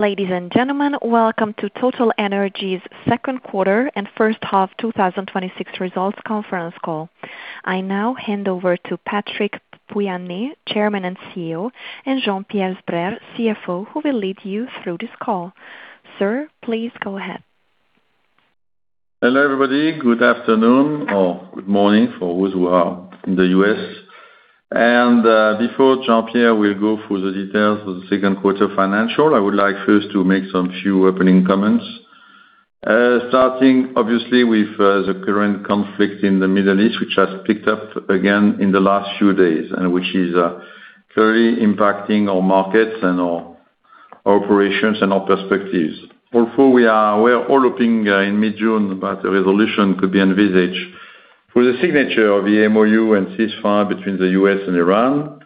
Ladies and gentlemen, welcome to TotalEnergies' second quarter and first half 2026 results conference call. I now hand over to Patrick Pouyanné, Chairman and CEO, and Jean-Pierre Sbraire, CFO, who will lead you through this call. Sir, please go ahead. Hello, everybody. Good afternoon or good morning for those who are in the U.S.. Before Jean-Pierre will go through the details of the second quarter financial, I would like first to make some few opening comments. Starting obviously with the current conflict in the Middle East, which has picked up again in the last few days, and which is very impacting our markets and our operations and our perspectives. Although we were all hoping in mid-June that a resolution could be envisaged with the signature of the MOU and ceasefire between the U.S. and Iran.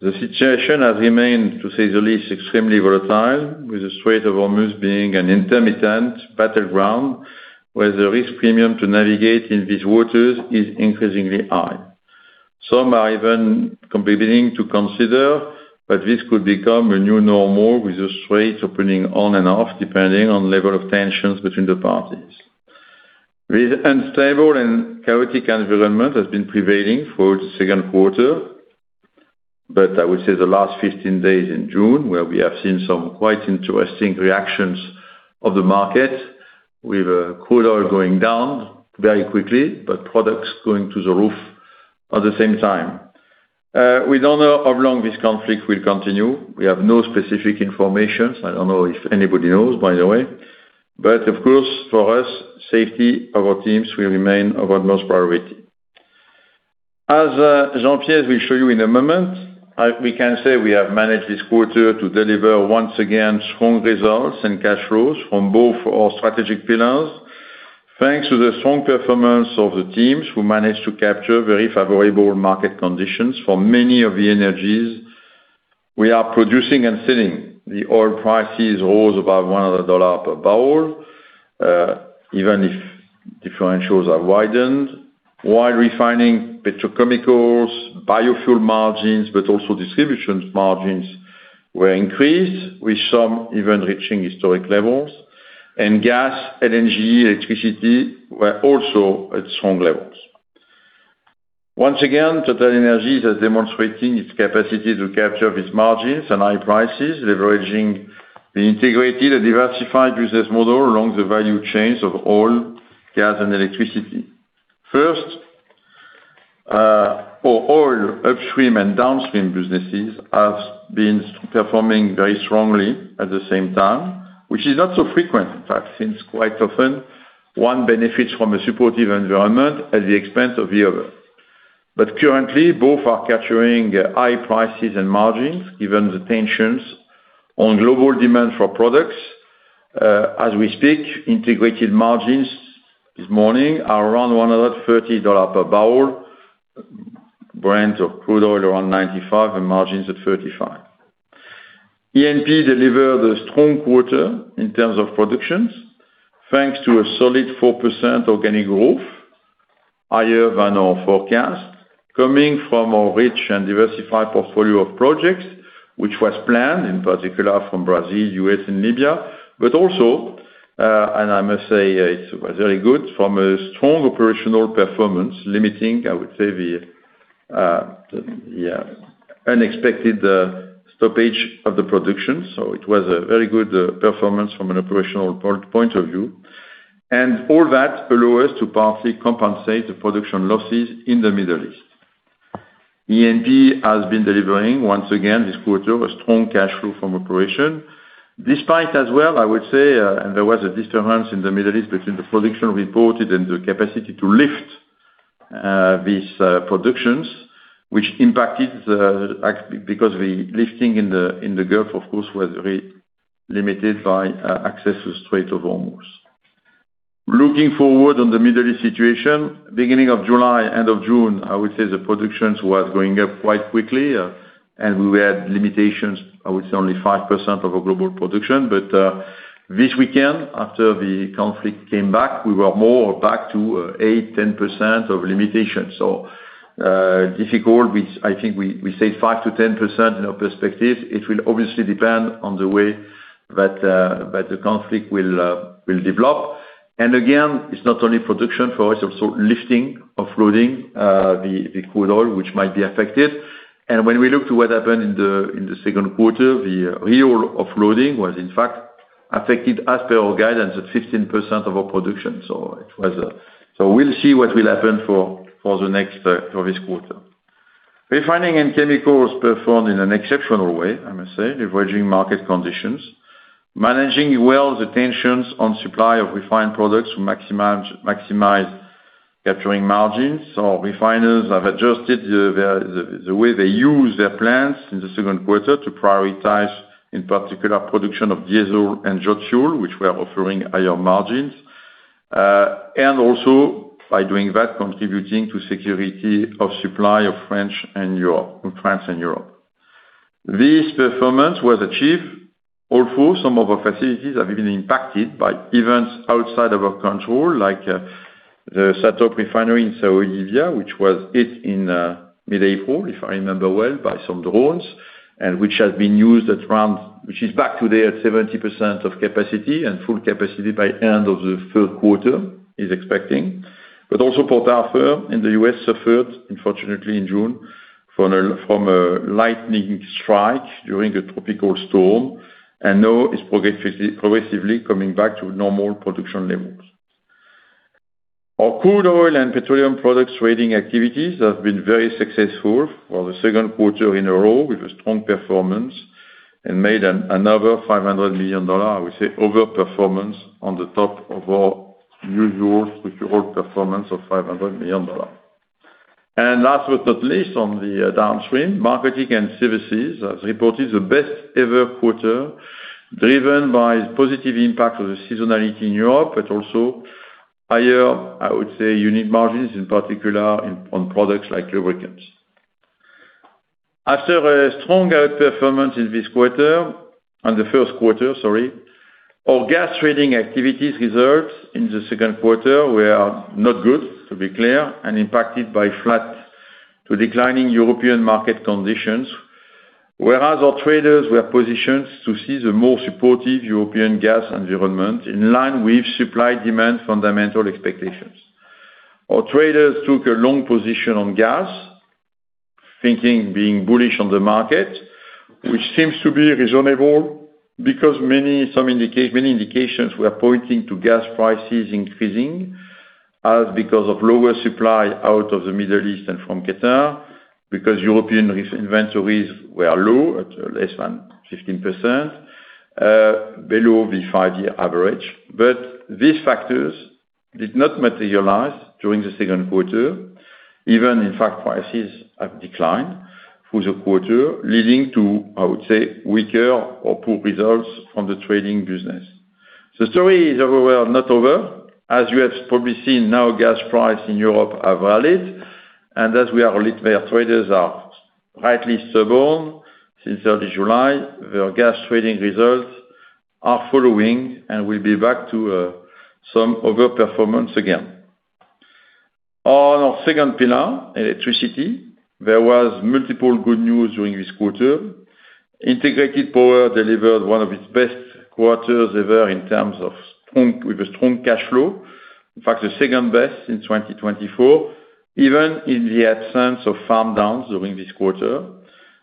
The situation has remained, to say the least, extremely volatile, with the Strait of Hormuz being an intermittent battleground, where the risk premium to navigate in these waters is increasingly high. Some are even beginning to consider that this could become a new normal, with the strait opening on and off, depending on level of tensions between the parties. This unstable and chaotic environment has been prevailing for the second quarter, but I would say the last 15 days in June, where we have seen some quite interesting reactions of the market, with crude oil going down very quickly, but products going through the roof at the same time. We don't know how long this conflict will continue. We have no specific information. I don't know if anybody knows, by the way. Of course, for us, safety of our teams will remain our utmost priority. As Jean-Pierre will show you in a moment, we can say we have managed this quarter to deliver, once again, strong results and cash flows from both our strategic pillars. Thanks to the strong performance of the teams who managed to capture very favorable market conditions for many of the energies we are producing and selling. The oil prices rose above $100 per barrel, even if differentials are widened, while refining petrochemicals, biofuel margins, but also distribution margins were increased, with some even reaching historic levels. Gas, LNG, electricity were also at strong levels. Once again, TotalEnergies is demonstrating its capacity to capture these margins and high prices, leveraging the integrated and diversified business model along the value chains of oil, gas, and electricity. First, for oil upstream and downstream businesses have been performing very strongly at the same time, which is not so frequent, in fact, since quite often one benefits from a supportive environment at the expense of the other. Currently, both are capturing high prices and margins, given the tensions on global demand for products. As we speak, integrated margins this morning are around $130 per barrel, Brent crude oil around $95 per barrel, and margins at $35 per barrel. E&P delivered a strong quarter in terms of productions, thanks to a solid 4% organic growth, higher than our forecast, coming from a rich and diversified portfolio of projects, which was planned, in particular from Brazil, U.S., and Libya. I must say it was very good from a strong operational performance limiting, I would say, the unexpected stoppage of the production. It was a very good performance from an operational point of view. All that allow us to partly compensate the production losses in the Middle East. E&P has been delivering, once again, this quarter, a strong cash flow from operation. Despite as well, I would say, there was a difference in the Middle East between the production reported and the capacity to lift these productions, which impacted because the lifting in the Gulf, of course, was very limited by access to Strait of Hormuz. Looking forward on the Middle East situation, beginning of July, end of June, I would say the productions were going up quite quickly, and we had limitations, I would say only 5% of our global production. This weekend, after the conflict came back, we were more back to 8%-10% of limitations. Difficult. I think we say 5%-10% in our perspective. It will obviously depend on the way that the conflict will develop. Again, it's not only production for us, also lifting, offloading the crude oil, which might be affected. When we look to what happened in the second quarter, the real offloading was in fact affected as per our guidance at 15% of our production. We'll see what will happen for this quarter. Refining and chemicals performed in an exceptional way, I must say, leveraging market conditions, managing well the tensions on supply of refined products to maximize capturing margins. Refiners have adjusted the way they use their plants in the second quarter to prioritize, in particular, production of diesel and jet fuel, which were offering higher margins. Also by doing that, contributing to security of supply of France and Europe. This performance was achieved, although some of our facilities have been impacted by events outside of our control, like the SATORP refinery in Saudi Arabia, which was hit in mid-April, if I remember well, by some drones, and which is back today at 70% of capacity and full capacity by end of the third quarter is expecting. Also Port Arthur in the U.S. suffered, unfortunately, in June from a lightning strike during a tropical storm and now is progressively coming back to normal production levels. Our crude oil and petroleum products trading activities have been very successful for the second quarter in a row with a strong performance and made another $500 million, I would say, over performance on top of our usual secure performance of $500 million. Last but not least, on the downstream, marketing and services has reported the best-ever quarter, driven by the positive impact of the seasonality in Europe, but also higher, unique margins, in particular, on products like lubricants. After a strong outperformance in the first quarter, our gas trading activities results in the second quarter were not good, to be clear, and impacted by flat-to-declining European market conditions, whereas our traders were positioned to see the more supportive European gas environment in line with supply-demand fundamental expectations. Our traders took a long position on gas, thinking being bullish on the market, which seems to be reasonable because many indications were pointing to gas prices increasing because of lower supply out of the Middle East and from Qatar, because European inventories were low at less than 15%, below the five-year average. These factors did not materialize during the second quarter. Even, in fact, prices have declined through the quarter leading to weaker or poor results from the trading business. The story is however not over. As you have probably seen now, gas prices in Europe are volatile, and as our traders are rightly stubborn since early July, their gas trading results are following, and we will be back to some overperformance again. On our second pillar, electricity, there was multiple good news during this quarter. Integrated Power delivered one of its best quarters ever with a strong cash flow. In fact, the second best in 2024, even in the absence of farm downs during this quarter.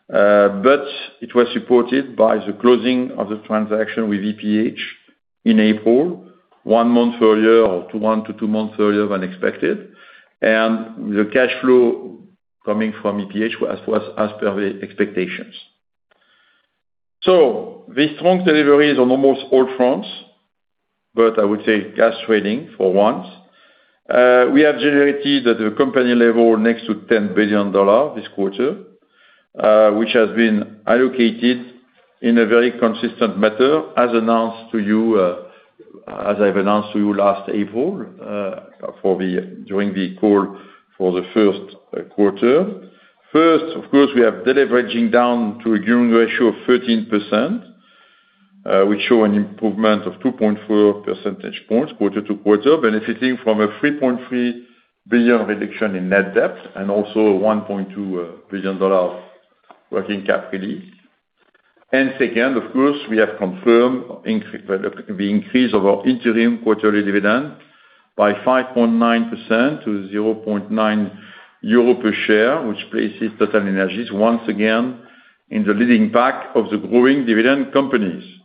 It was supported by the closing of the transaction with EPH in April, one month earlier or one to two months earlier than expected, and the cash flow coming from EPH was as per the expectations. The strong deliveries on almost all fronts, but gas trading for once. We have generated at the company level next to $10 billion this quarter, which has been allocated in a very consistent manner as I've announced to you last April during the call for the first quarter. First, of course, we are deleveraging down to a gearing ratio of 13%, which show an improvement of 2.4 percentage points quarter-to-quarter, benefiting from a $3.3 billion reduction in net debt and also a $1.2 billion working capital release. Second, of course, we have confirmed the increase of our interim quarterly dividend by 5.9% to 0.9 euro per share, which places TotalEnergies once again in the leading pack of the growing dividend companies.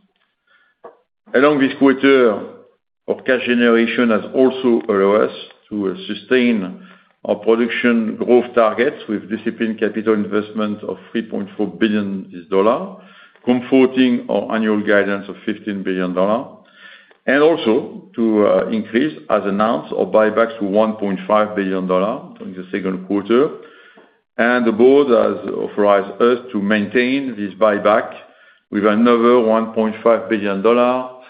Along this quarter, our cash generation has also allowed us to sustain our production growth targets with disciplined capital investment of $3.4 billion, comforting our annual guidance of $15 billion, and also to increase, as announced, our buybacks to $1.5 billion during the second quarter. The Board has authorized us to maintain this buyback with another $1.5 billion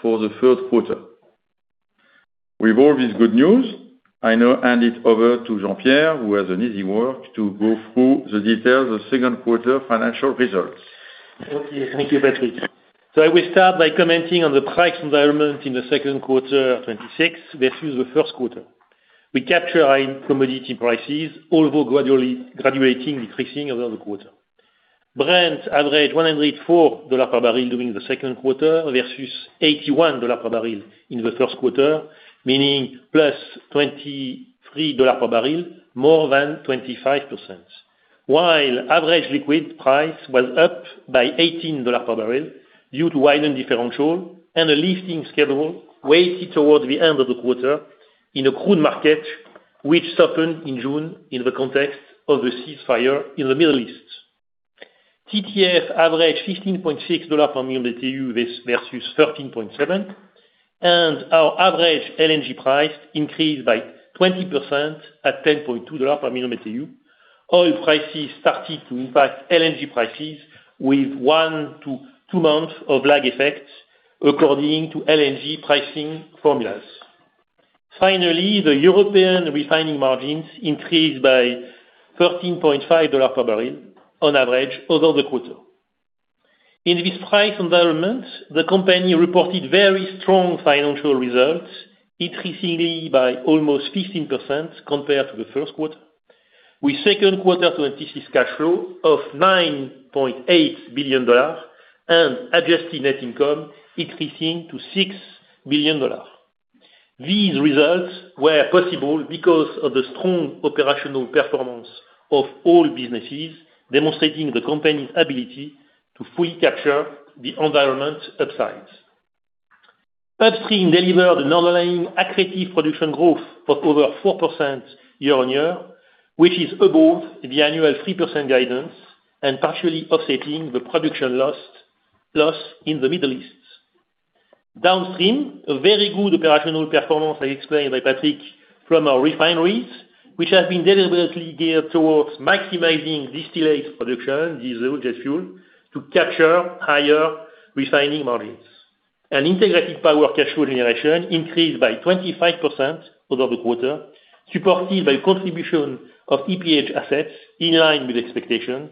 for the third quarter. With all this good news, I now hand it over to Jean-Pierre, who has an easy work to go through the details of second quarter financial results. Okay. Thank you, Patrick. I will start by commenting on the price environment in the second quarter 2026 versus the first quarter. We capture high commodity prices, although gradually decreasing over the quarter. Brent averaged $104 per barrel during the second quarter versus $81 per barrel in the first quarter, meaning plus $23 per barrel, more than 25%. While average liquid price was up by $18 per barrel due to widened differential and a lifting schedule weighted towards the end of the quarter in a crude market which softened in June in the context of the ceasefire in the Middle East. TTF averaged $15.6 per MMBtu versus $13.7 per MMBtu, and our average LNG price increased by 20% at $10.20 per MMBtu. Oil prices started to impact LNG prices with one to two months of lag effects according to LNG pricing formulas. Finally, the European refining margins increased by $13.50 per barrel on average over the quarter. In this price environment, the company reported very strong financial results, increasingly by almost 15% compared to the first quarter. With second quarter 2026 cash flow of $9.8 billion and adjusted net income increasing to $6 billion. These results were possible because of the strong operational performance of all businesses, demonstrating the company's ability to fully capture the environment upsides. Upstream delivered an underlying accretive production growth of over 4% year-on-year, which is above the annual 3% guidance and partially offsetting the production loss in the Middle East. Downstream, a very good operational performance, as explained by Patrick from our refineries, which has been deliberately geared towards maximizing distillate production, diesel, jet fuel, to capture higher refining margins. Integrated power cash flow generation increased by 25% over the quarter, supported by contribution of EPH assets in line with expectation,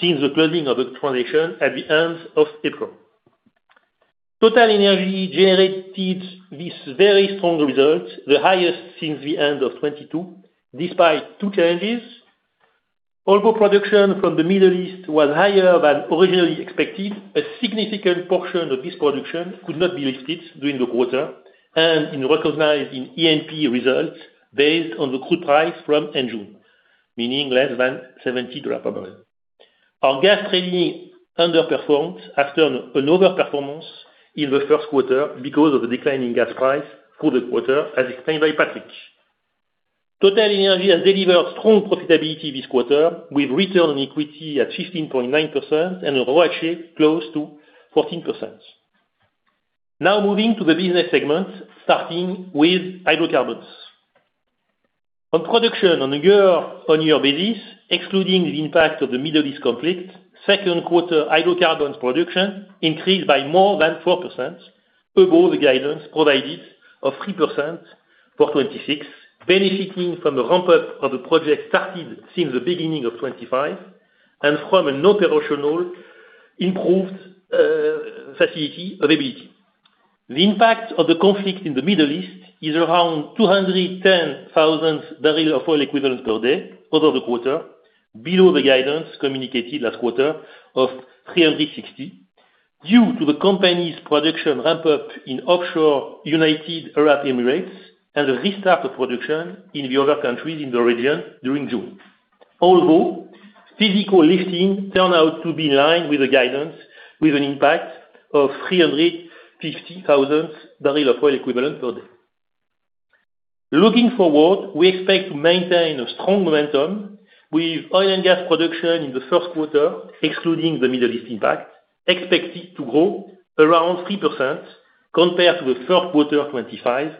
since the closing of the transaction at the end of April. TotalEnergies generated this very strong result, the highest since the end of 2022, despite two challenges. Oil production from the Middle East was higher than originally expected. A significant portion of this production could not be lifted during the quarter and is recognized in E&P results based on the crude price from June, meaning less than $70 per barrel. Our gas trading underperformed after an overperformance in the first quarter because of the decline in gas price through the quarter, as explained by Patrick. TotalEnergies has delivered strong profitability this quarter with return on equity at 15.9% and a ROACE close to 14%. Now moving to the business segment, starting with hydrocarbons. On production on a year-on-year basis, excluding the impact of the Middle East conflict, second quarter hydrocarbons production increased by more than 4%, above the guidance provided of 3% for 2026, benefiting from the ramp-up of the project started since the beginning of 2025 and from an operational improved facility availability. The impact of the conflict in the Middle East is around 210,000 boepd over the quarter, below the guidance communicated last quarter of 360.000 boepd, due to the company's production ramp-up in offshore United Arab Emirates and the restart of production in the other countries in the region during June. Although physical lifting turned out to be in line with the guidance, with an impact of 350,000 boepd. Looking forward, we expect to maintain a strong momentum with oil and gas production in the first quarter, excluding the Middle East impact, expected to grow around 3% compared to the third quarter of 2025,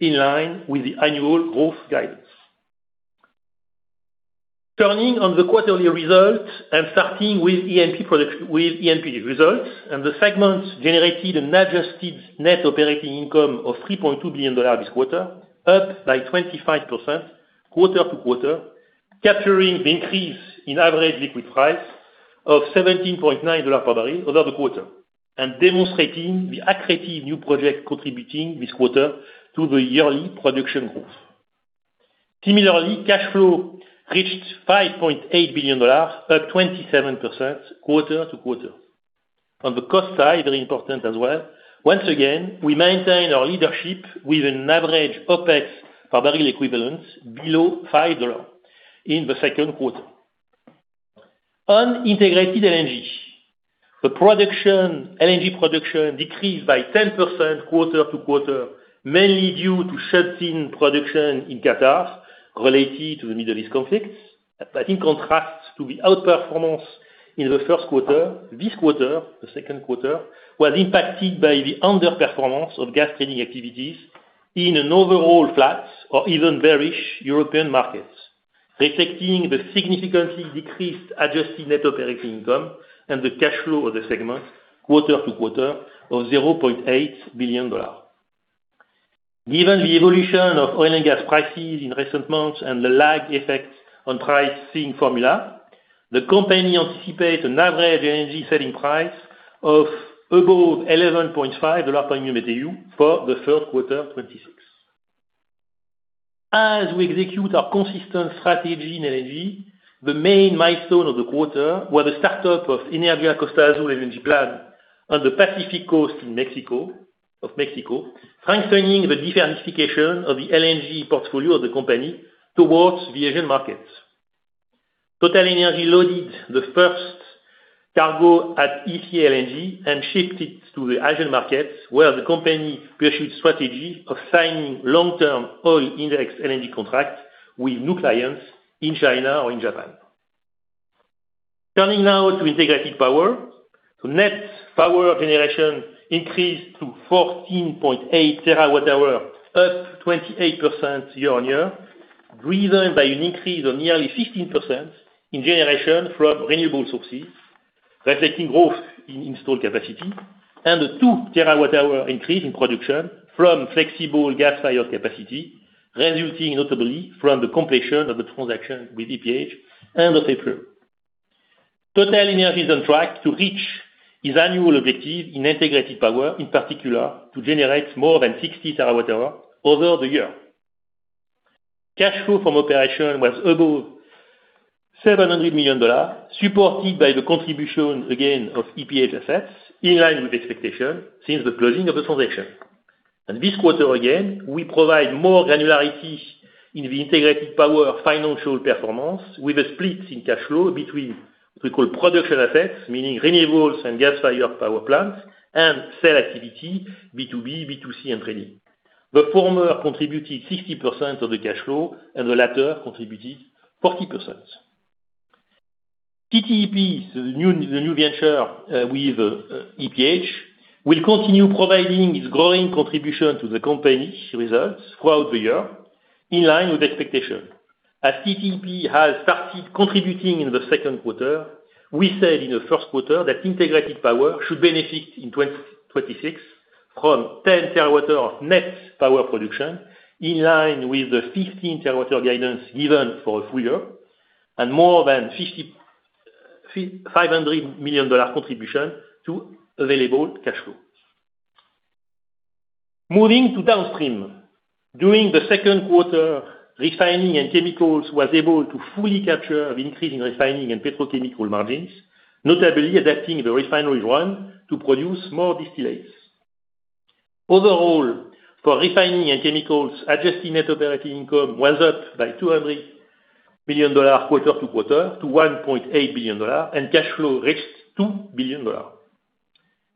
in line with the annual growth guidance. Turning on the quarterly results and starting with E&P results, the segments generated an adjusted net operating income of $3.2 billion this quarter, up by 25% quarter-to-quarter, capturing the increase in average liquid price of $17.90 per barrel over the quarter, demonstrating the accretive new project contributing this quarter to the yearly production growth. Similarly, cash flow reached $5.8 billion, up 27% quarter-to-quarter. On the cost side, very important as well, once again, we maintain our leadership with an average OpEx per barrel equivalent below $5 in the second quarter. On integrated LNG. The LNG production decreased by 10% quarter-to-quarter, mainly due to shutting production in Qatar related to the Middle East conflict. In contrast to the outperformance in the first quarter, the second quarter was impacted by the underperformance of gas trading activities in an overall flat or even bearish European markets, reflecting the significantly decreased adjusted net operating income and the cash flow of the segment quarter-to-quarter of $0.8 billion. Given the evolution of oil and gas prices in recent months and the lag effects on pricing formula, the company anticipates an average LNG selling price of above $11.5 MMBtu for the third quarter of 2026. As we execute our consistent strategy in LNG, the main milestone of the quarter was the start-up of Energia Costa Azul LNG plant on the Pacific Coast of Mexico, strengthening the diversification of the LNG portfolio of the company towards the Asian markets. TotalEnergies loaded the first cargo at ECA LNG and shipped it to the Asian markets, where the company pursued strategy of signing long-term oil index LNG contract with new clients in China or in Japan. Turning now to integrated power. Net power generation increased to 14.8 TWh, up 28% year-on-year, driven by an increase of nearly 15% in generation from renewable sources, reflecting growth in installed capacity and a 2 TWh increase in production from flexible gas-fired capacity resulting notably from the completion of the transaction with EPH and of April. TotalEnergies is on track to reach its annual objective in integrated power, in particular to generate more than 60 TWh over the year. Cash flow from operation was above $700 million, supported by the contribution again of EPH assets, in line with expectation since the closing of the transaction. This quarter, again, we provide more granularity in the integrated power financial performance with a split in cash flow between what we call production assets, meaning renewables and gas-fired power plants, and sale activity, B2B, B2C, and trading. The former contributed 60% of the cash flow, and the latter contributed 40%. TTEP, the new venture with EPH, will continue providing its growing contribution to the company's results throughout the year, in line with expectation. As TTEP has started contributing in the second quarter, we said in the first quarter that integrated power should benefit in 2026 from 10 TWh of net power production, in line with the 15 TWh guidance given for a full-year, and more than $500 million contribution to available cash flow. Moving to downstream. During the second quarter, Refining and Chemicals was able to fully capture the increase in refining and petrochemical margins, notably adapting the refinery run to produce more distillates. Overall, for Refining and Chemicals, adjusted net operating income was up by $200 million quarter-to-quarter to $1.8 billion, and cash flow reached $2 billion.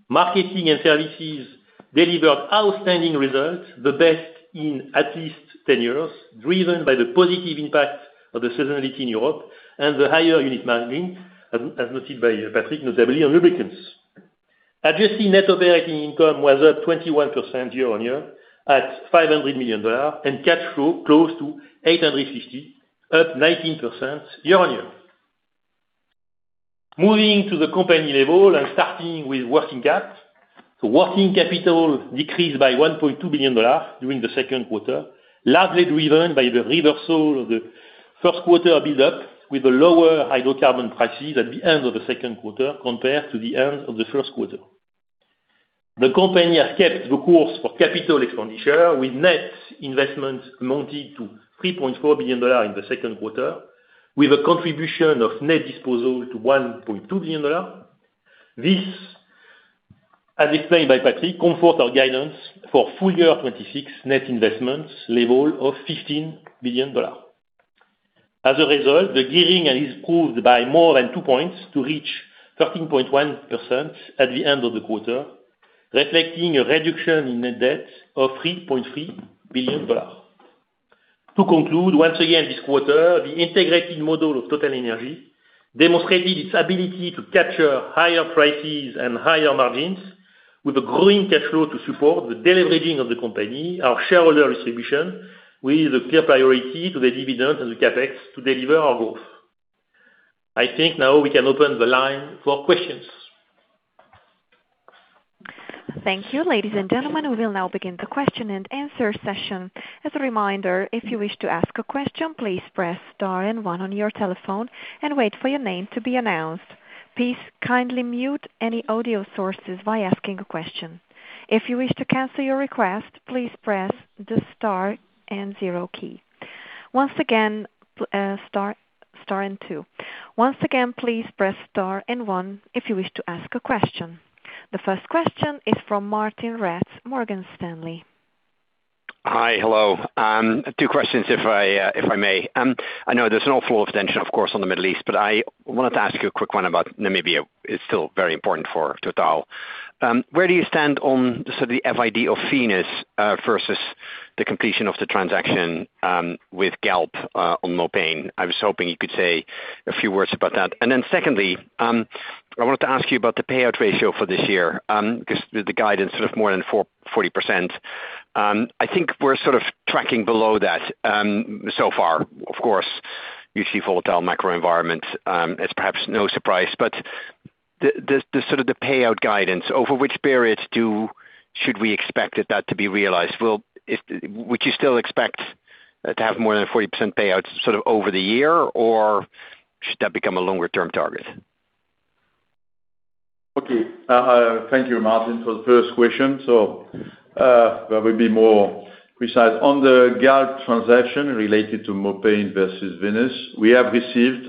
Marketing and Services delivered outstanding results, the best in at least 10 years, driven by the positive impact of the seasonality in Europe and the higher unit margin, as noted by Patrick, notably on lubricants. Adjusted net operating income was up 21% year-on-year at $500 million, and cash flow close to $850 million, up 19% year-on-year. Moving to the company level and starting with working cap. Working capital decreased by $1.2 billion during the second quarter, largely driven by the reversal of the first quarter build-up with the lower hydrocarbon prices at the end of the second quarter compared to the end of the first quarter. The company has kept the course for capital expenditure, with net investments amounting to $3.4 billion in the second quarter, with a contribution of net disposal to $1.2 billion. This, as explained by Patrick, comfort our guidance for full-year 2026 net investments level of $15 billion. As a result, the gearing is improved by more than 2 points to reach 13.1% at the end of the quarter, reflecting a reduction in net debt of $3.3 billion. To conclude, once again this quarter, the integrated model of TotalEnergies demonstrated its ability to capture higher prices and higher margins with a growing cash flow to support the deleveraging of the company, our shareholder distribution, with a clear priority to the dividend and the CapEx to deliver our growth. I think now we can open the line for questions. Thank you. Ladies and gentlemen, we will now begin the question-and-answer session. As a reminder, if you wish to ask a question, please press star and one on your telephone and wait for your name to be announced. Please kindly mute any audio sources while asking a question. If you wish to cancel your request, please press the star and zero key. Once again, star and two. Once again, please press star and one if you wish to ask a question. The first question is from Martijn Rats, Morgan Stanley. Hi. Hello. Two questions, if I may. I know there's an awful lot of attention, of course, on the Middle East. I wanted to ask you a quick one about Namibia. It's still very important for Total. Where do you stand on the FID of Venus versus the completion of the transaction with Galp on Mopane? I was hoping you could say a few words about that. Secondly, I wanted to ask you about the payout ratio for this year. The guidance of more than 40%. I think we're sort of tracking below that so far. Of course, you see volatile macro environment. It's perhaps no surprise. The payout guidance, over which period should we expect that to be realized? Would you still expect to have more than a 40% payout over the year, or should that become a longer-term target? Okay. Thank you, Martijn, for the first question. I will be more precise. On the Galp transaction related to Mopane versus Venus, we have received,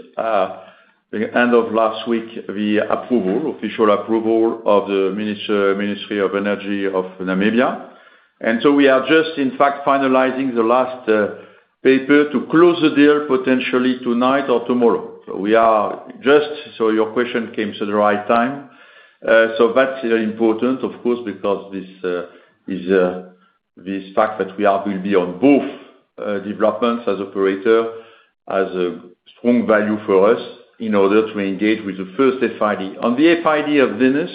at the end of last week, the official approval of the Ministry of Energy of Namibia. We are just, in fact, finalizing the last paper to close the deal potentially tonight or tomorrow. Your question came at the right time. That's important, of course, because this fact that we will be on both developments as operator has a strong value for us in order to engage with the first FID. On the FID of Venus,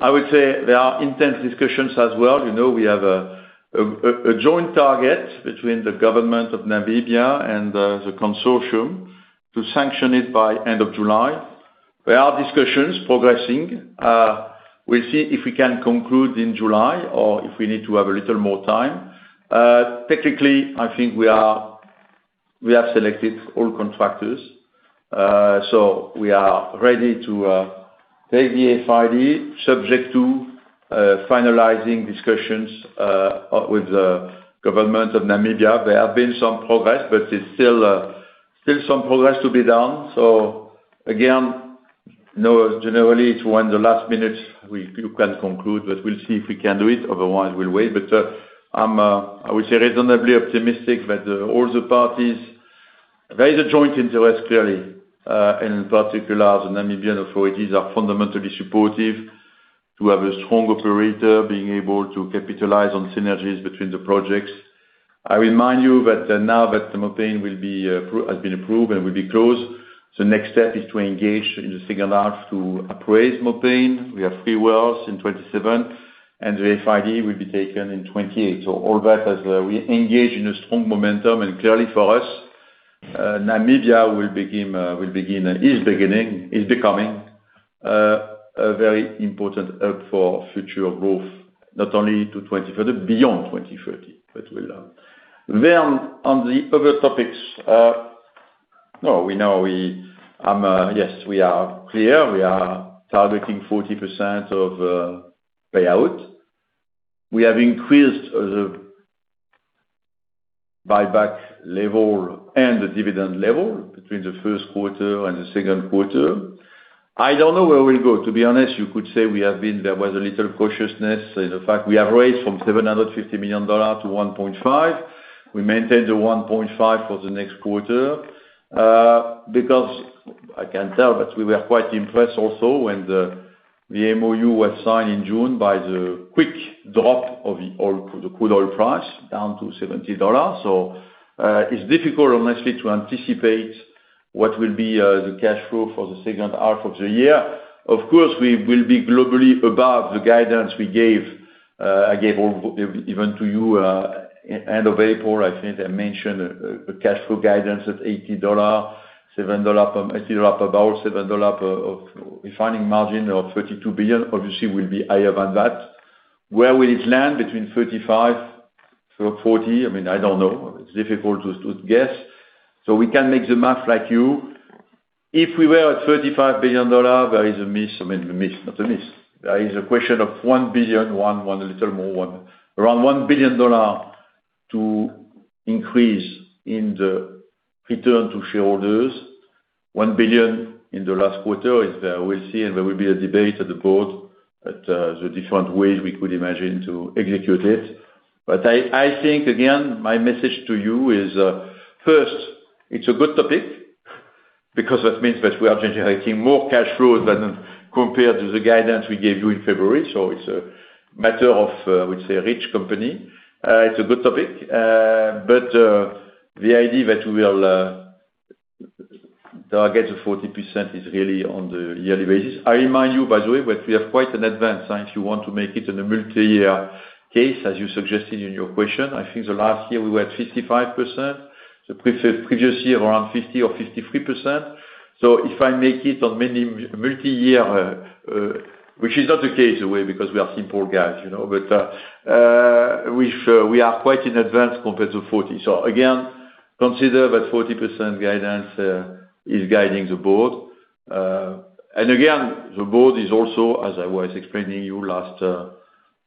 I would say there are intense discussions as well. We have a joint target between the government of Namibia and the consortium to sanction it by end of July. There are discussions progressing. We'll see if we can conclude in July or if we need to have a little more time. Technically, I think we have selected all contractors. We are ready to take the FID subject to finalizing discussions with the government of Namibia. There has been some progress. Still some progress to be done. Generally, it's when the last minute, you can conclude. We'll see if we can do it. Otherwise, we'll wait. I would say reasonably optimistic that all the parties, there is a joint interest clearly, and in particular, the Namibian authorities are fundamentally supportive to have a strong operator being able to capitalize on synergies between the projects. I remind you that now that Mopane has been approved and will be closed, the next step is to engage in the second half to appraise Mopane. We have three wells in 2027. The FID will be taken in 2028. All that as we engage in a strong momentum. Clearly for us, Namibia will begin and is becoming a very important hub for future growth, not only to 2030, beyond 2030. On the other topics, yes, we are clear. We are targeting 40% of payout. We have increased the buyback level and the dividend level between the first quarter and the second quarter. I don't know where we'll go, to be honest. You could say there was a little cautiousness in the fact we have raised from $750 million to $1.5 billion. We maintain the $1.5 billion for the next quarter. I can tell that we were quite impressed also when the MOU was signed in June by the quick drop of the crude oil price down to $70. It's difficult, honestly, to anticipate what will be the cash flow for the second half of the year. Of course, we will be globally above the guidance we gave. I gave even to you end of April, I think I mentioned a cash flow guidance of $80 per barrel, $7 per barrel, $7 per barrel refining margin of $32 billion obviously will be higher than that. Where will it land between $35 billion-$40 billion? I don't know. It's difficult to guess. We can make the math like you. If we were at $35 billion, there is a miss. I mean, a miss, not a miss. There is a question of $1 billion, one a little more, around $1 billion to increase in the return to shareholders. $1 billion in the last quarter, we'll see, and there will be a debate at the Board at the different ways we could imagine to execute it. I think, again, my message to you is, first, it's a good topic because that means that we are generating more cash flow than compared to the guidance we gave you in February. It's a matter of, I would say, a rich company. It's a good topic. The idea that we will get to 40% is really on the yearly basis. I remind you, by the way, that we have quite an advance if you want to make it in a multi-year case, as you suggested in your question. I think the last year we were at 55%, the previous year around 50% or 53%. If I make it on multi-year, which is not the case because we are simple guys, but we are quite in advance compared to 40%. Again, consider that 40% guidance is guiding the Board. Again, the Board is also, as I was explaining you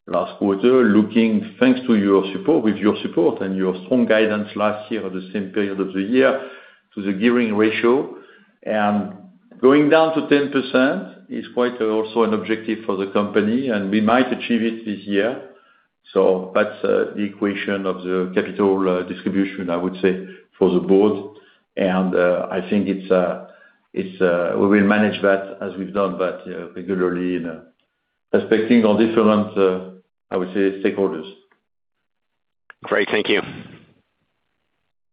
last quarter, looking, thanks to your support, with your support and your strong guidance last year at the same period of the year to the gearing ratio. Going down to 10% is quite also an objective for the company, and we might achieve it this year. That's the equation of the capital distribution, I would say, for the Board. I think we will manage that as we've done that regularly and respecting our different, I would say, stakeholders. Great. Thank you.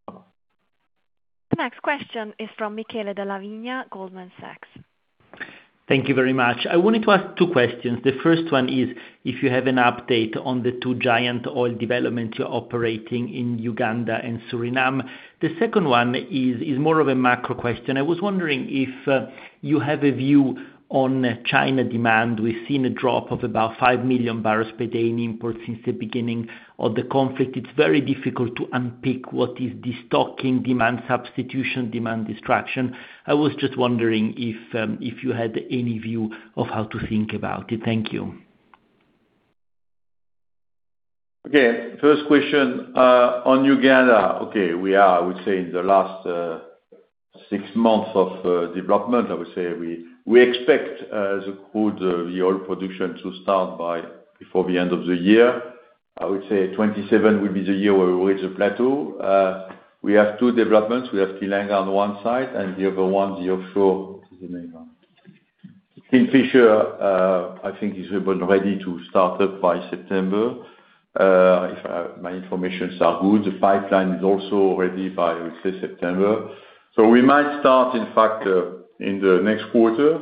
The next question is from Michele Della Vigna, Goldman Sachs. Thank you very much. I wanted to ask two questions. The first one is if you have an update on the two giant oil developments you're operating in Uganda and Suriname. The second one is more of a macro question. I was wondering if you have a view on China demand. We've seen a drop of about 5 MMbpd in imports since the beginning of the conflict. It's very difficult to unpick what is the stocking demand, substitution demand, distraction. I was just wondering if you had any view of how to think about it. Thank you. Okay. First question, on Uganda. Okay. We are, I would say, in the last six months of development. I would say we expect the crude oil production to start before the end of the year. I would say 2027 will be the year where we reach a plateau. We have two developments. We have Tilenga on one side and the other one, the offshore is the main one. Kingfisher, I think is even ready to start up by September, if my information are good. The pipeline is also ready by, I would say, September. We might start, in fact, in the next quarter.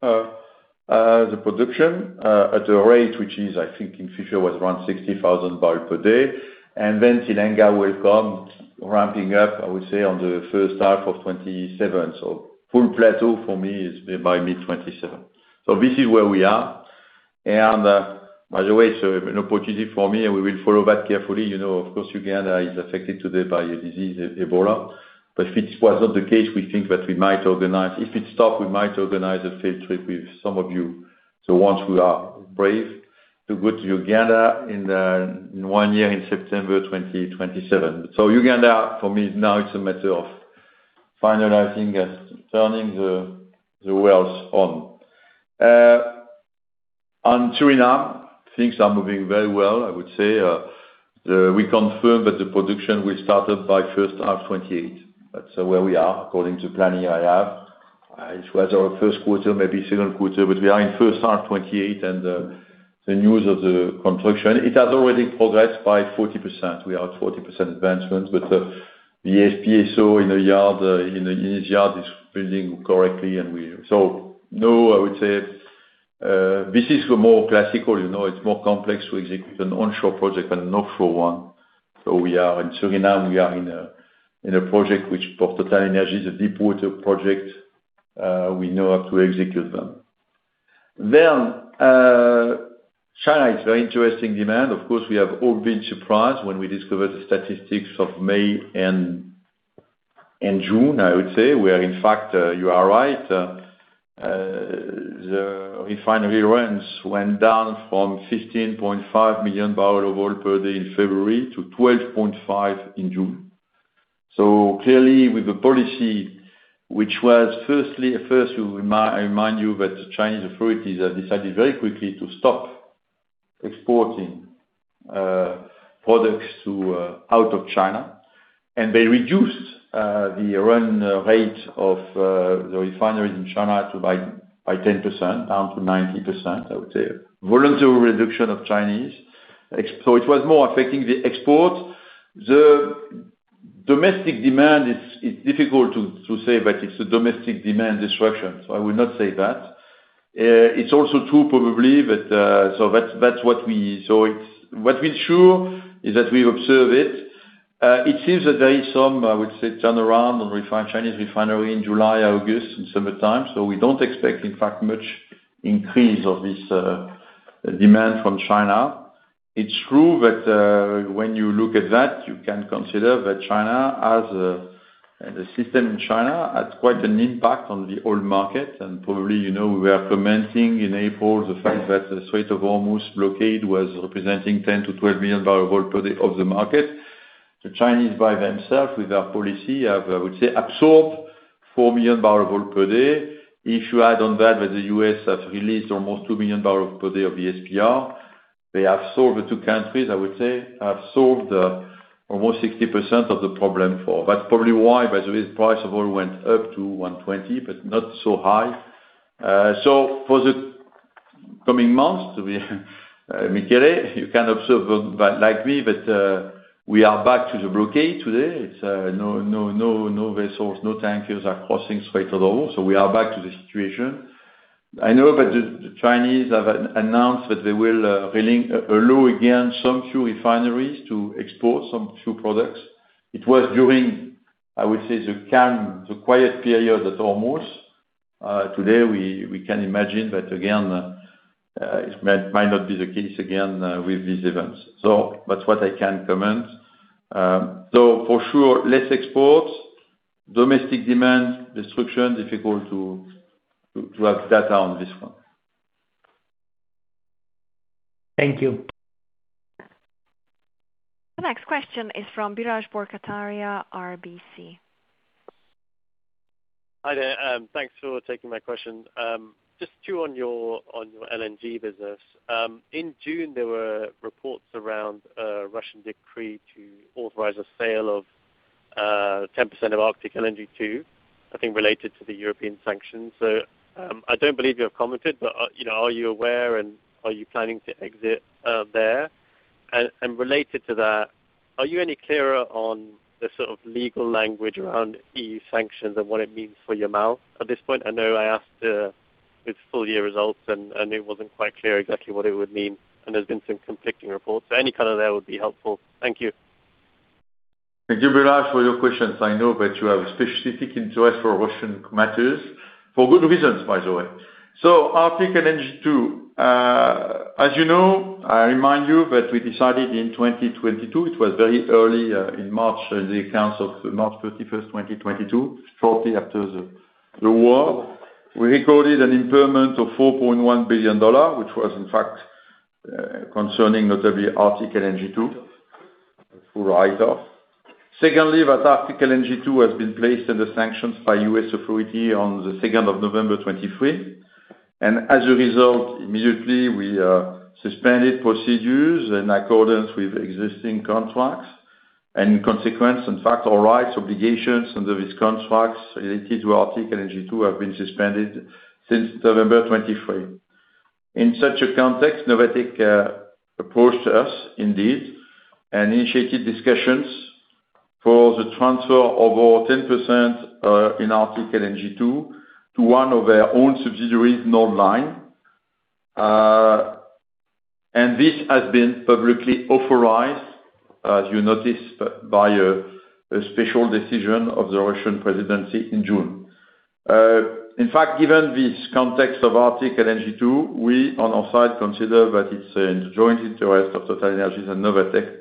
The production at a rate, which is, I think in future was around 60,000 bpd. Tilenga will come ramping-up, I would say, on the first half of 2027. Full plateau for me is by mid 2027. This is where we are. By the way, an opportunity for me, and we will follow that carefully. Of course, Uganda is affected today by a disease, Ebola. If it was not the case, we think that we might organize If it stop, we might organize a field trip with some of you. The ones who are brave to go to Uganda in one year, in September 2027. Uganda, for me, now it's a matter of finalizing and turning the wells on. On Suriname, things are moving very well, I would say. We confirm that the production will start up by first half 2028. That's where we are according to planning I have. It was our first quarter, maybe second quarter, but we are in first half 2028 and the news of the construction. It has already progressed by 40%. We are at 40% advancement, the FPSO in the yard is building correctly. I would say, this is more classical. It is more complex to execute an onshore project than an offshore one. We are in Suriname, we are in a project which TotalEnergies, a deep water project. We know how to execute them. China, it is very interesting demand. Of course, we have all been surprised when we discovered the statistics of May and June, I would say. Where in fact, you are right. The refinery runs went down from 15.5 MMbpd in February to 12.5 MMbpd in June. Clearly with the policy, which was first I remind you that the Chinese authorities have decided very quickly to stop exporting products out of China. They reduced the run-rate of the refineries in China by 10%, down to 90%, I would say. Voluntary reduction of Chinese. It was more affecting the export. The domestic demand is difficult to say that it is a domestic demand disruption. I would not say that. It is also true probably that, what we are sure is that we observe it. It seems that there is some, I would say, turnaround on Chinese refinery in July, August and summertime. We don't expect, in fact, much increase of this demand from China. It is true that when you look at that, you can consider that the system in China has quite an impact on the oil market. Probably, you know, we were commenting in April the fact that the Strait of Hormuz blockade was representing 10 MMbpd to 12 MMbpd of the market. The Chinese, by themselves, with their policy, I would say, absorbed 4 MMbpd. If you add on that the U.S. has released almost 2 MMbpd of the SPR. They have solved, the two countries, I would say, have solved almost 60% of the problem for. That is probably why, by the way, the price of oil went up to $120 per barrel, not so high. For the coming months, Michele, you can observe like me, that we are back to the blockade today. It is no vessels, no tankers are crossing Strait of Hormuz. We are back to the situation. I know that the Chinese have announced that they will allow again some few refineries to export some few products. It was during, I would say, the calm, the quiet period at Hormuz. Today, we can imagine that again, it might not be the case again with these events. That is what I can comment. For sure, less exports, domestic demand destruction, difficult to have data on this one. Thank you. The next question is from Biraj Borkhataria, RBC. Hi there. Thanks for taking my question. Just two on your LNG business. In June, there were reports around a Russian decree to authorize a sale of 10% of Arctic LNG 2, I think related to the European sanctions. I don't believe you have commented, but are you aware and are you planning to exit there? Related to that, are you any clearer on the sort of legal language around EU sanctions and what it means for Yamal at this point? I know I asked with full year results and it wasn't quite clear exactly what it would mean, and there's been some conflicting reports. Any color there would be helpful. Thank you. Thank you, Biraj, for your questions. I know that you have a specific interest for Russian matters, for good reasons, by the way. Arctic LNG 2. As you know, I remind you that we decided in 2022, it was very early in March, in the accounts of March 31st, 2022, shortly after the war. We recorded an impairment of $4.1 billion, which was in fact concerning notably Arctic LNG 2, a full write-off. Secondly, that Arctic LNG 2 has been placed under sanctions by U.S. authority on the 2nd of November 2023. As a result, immediately, we suspended procedures in accordance with existing contracts. In consequence, in fact, all rights, obligations under these contracts related to Arctic LNG 2 have been suspended since November 2023. In such a context, Novatek approached us indeed and initiated discussions for the transfer of our 10% in Arctic LNG 2 to one of our own subsidiaries, Nordline. This has been publicly authorized, as you noticed, by a special decision of the Russian presidency in June. In fact, given this context of Arctic LNG 2, we on our side, consider that it's a joint interest of TotalEnergies and Novatek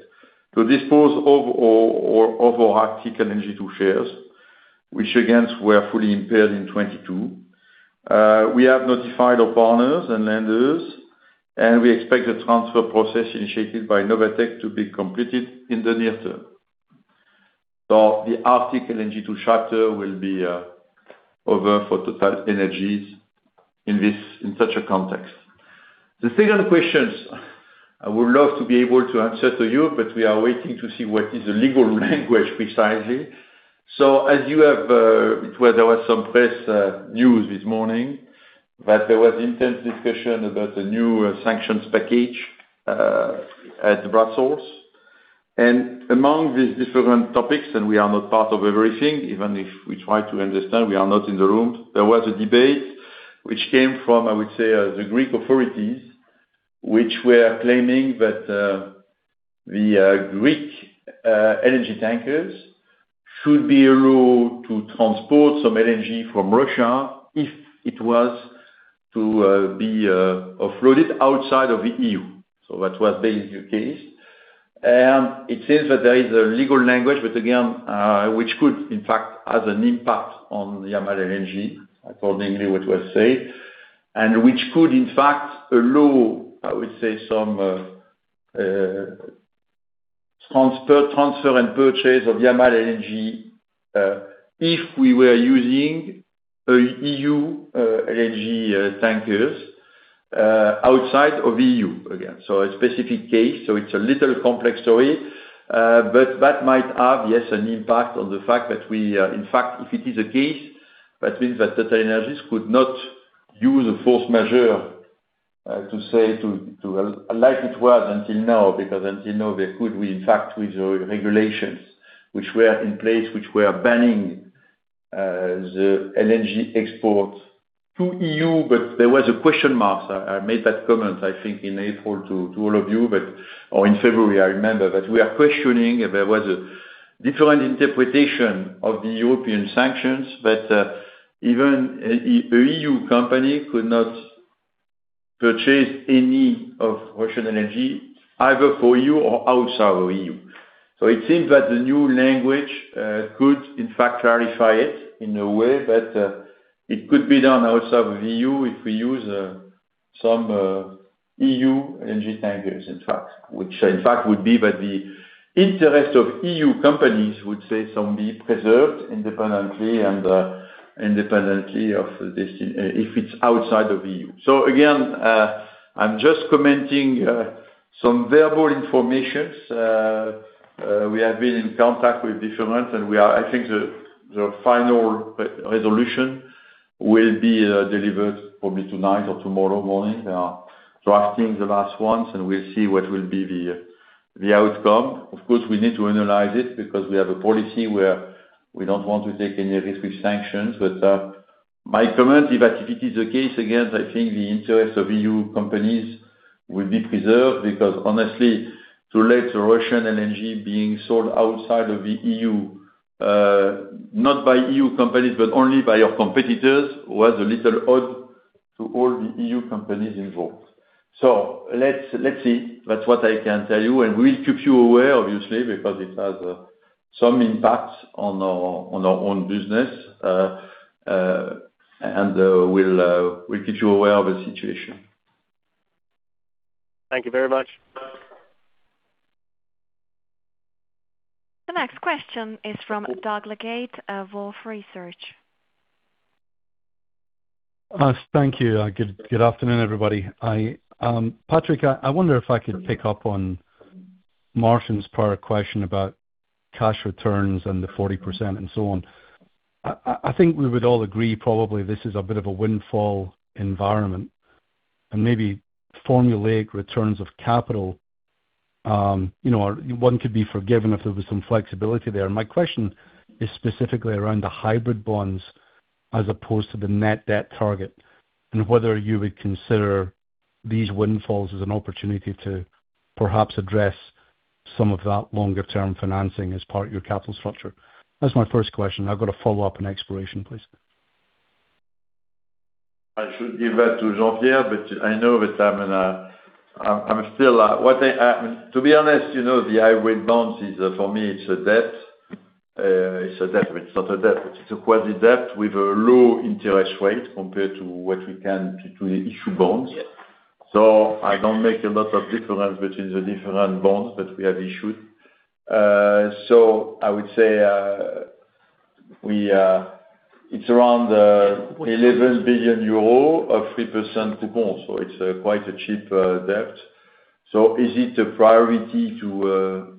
to dispose of our Arctic LNG 2 shares, which again, were fully impaired in 2022. We have notified our partners and lenders, and we expect the transfer process initiated by Novatek to be completed in the near term. The Arctic LNG 2 chapter will be over for TotalEnergies in such a context. The second question, I would love to be able to answer to you, but we are waiting to see what is the legal language precisely. As you have, there was some press news this morning that there was intense discussion about the new sanctions package at Brussels. Among these different topics, and we are not part of everything, even if we try to understand, we are not in the room. There was a debate which came from, I would say, the Greek authorities, which were claiming that the Greek LNG tankers should be allowed to transport some LNG from Russia if it was to be offloaded outside of the EU. That was basically the case. It seems that there is a legal language, but again, which could, in fact, have an impact on the Yamal LNG, accordingly what was said, and which could, in fact, allow, I would say some transfer and purchase of Yamal LNG, if we were using EU LNG tankers outside of EU, again. A specific case, so it's a little complex story. That might have, yes, an impact on the fact that we, in fact, if it is the case, that means that TotalEnergies could not use a force majeure to say to, like it was until now, because until now, there could we, in fact, with the regulations which were in place, which were banning the LNG exports to EU. There was a question mark. I made that comment, I think, in April to all of you, or in February, I remember. We are questioning, there was a different interpretation of the European sanctions, that even a EU company could not purchase any of Russian LNG, either for EU or outside of EU. It seems that the new language could, in fact, clarify it in a way that it could be done outside of EU if we use some EU LNG tankers, in fact. Which in fact would be that the interest of EU companies would, say, some be preserved independently of this, if it's outside of EU. Again, I'm just commenting some verbal information. We have been in contact with different, I think the final resolution will be delivered probably tonight or tomorrow morning. They are drafting the last ones, we'll see what will be the outcome. Of course, we need to analyze it because we have a policy where we don't want to take any risk with sanctions. My comment, if that is the case, again, I think the interest of EU companies will be preserved, because honestly, to let Russian LNG being sold outside of the EU, not by EU companies, but only by our competitors, was a little odd to all the EU companies involved. Let's see. That's what I can tell you. We'll keep you aware, obviously, because it has some impact on our own business. We'll keep you aware of the situation. Thank you very much. The next question is from Doug Leggate of Wolfe Research. Thank you. Good afternoon, everybody. Patrick, I wonder if I could pick up on Martijn's prior question about cash returns and the 40% and so on. I think we would all agree probably this is a bit of a windfall environment, and maybe formulaic returns of capital. One could be forgiven if there was some flexibility there. My question is specifically around the hybrid bonds as opposed to the net debt target, and whether you would consider these windfalls as an opportunity to perhaps address some of that longer-term financing as part of your capital structure. That's my first question. I've got a follow-up on exploration, please. I should give that to Jean-Pierre, but I know that I'm still. To be honest, the hybrid bonds, for me, it's a debt. It's a debt, but it's not a debt. It's a quasi-debt with a low interest rate compared to what we can typically issue bonds. I don't make a lot of difference between the different bonds that we have issued. I would say it's around 11 billion euro of 3% coupons. It's quite a cheap debt. Is it a priority to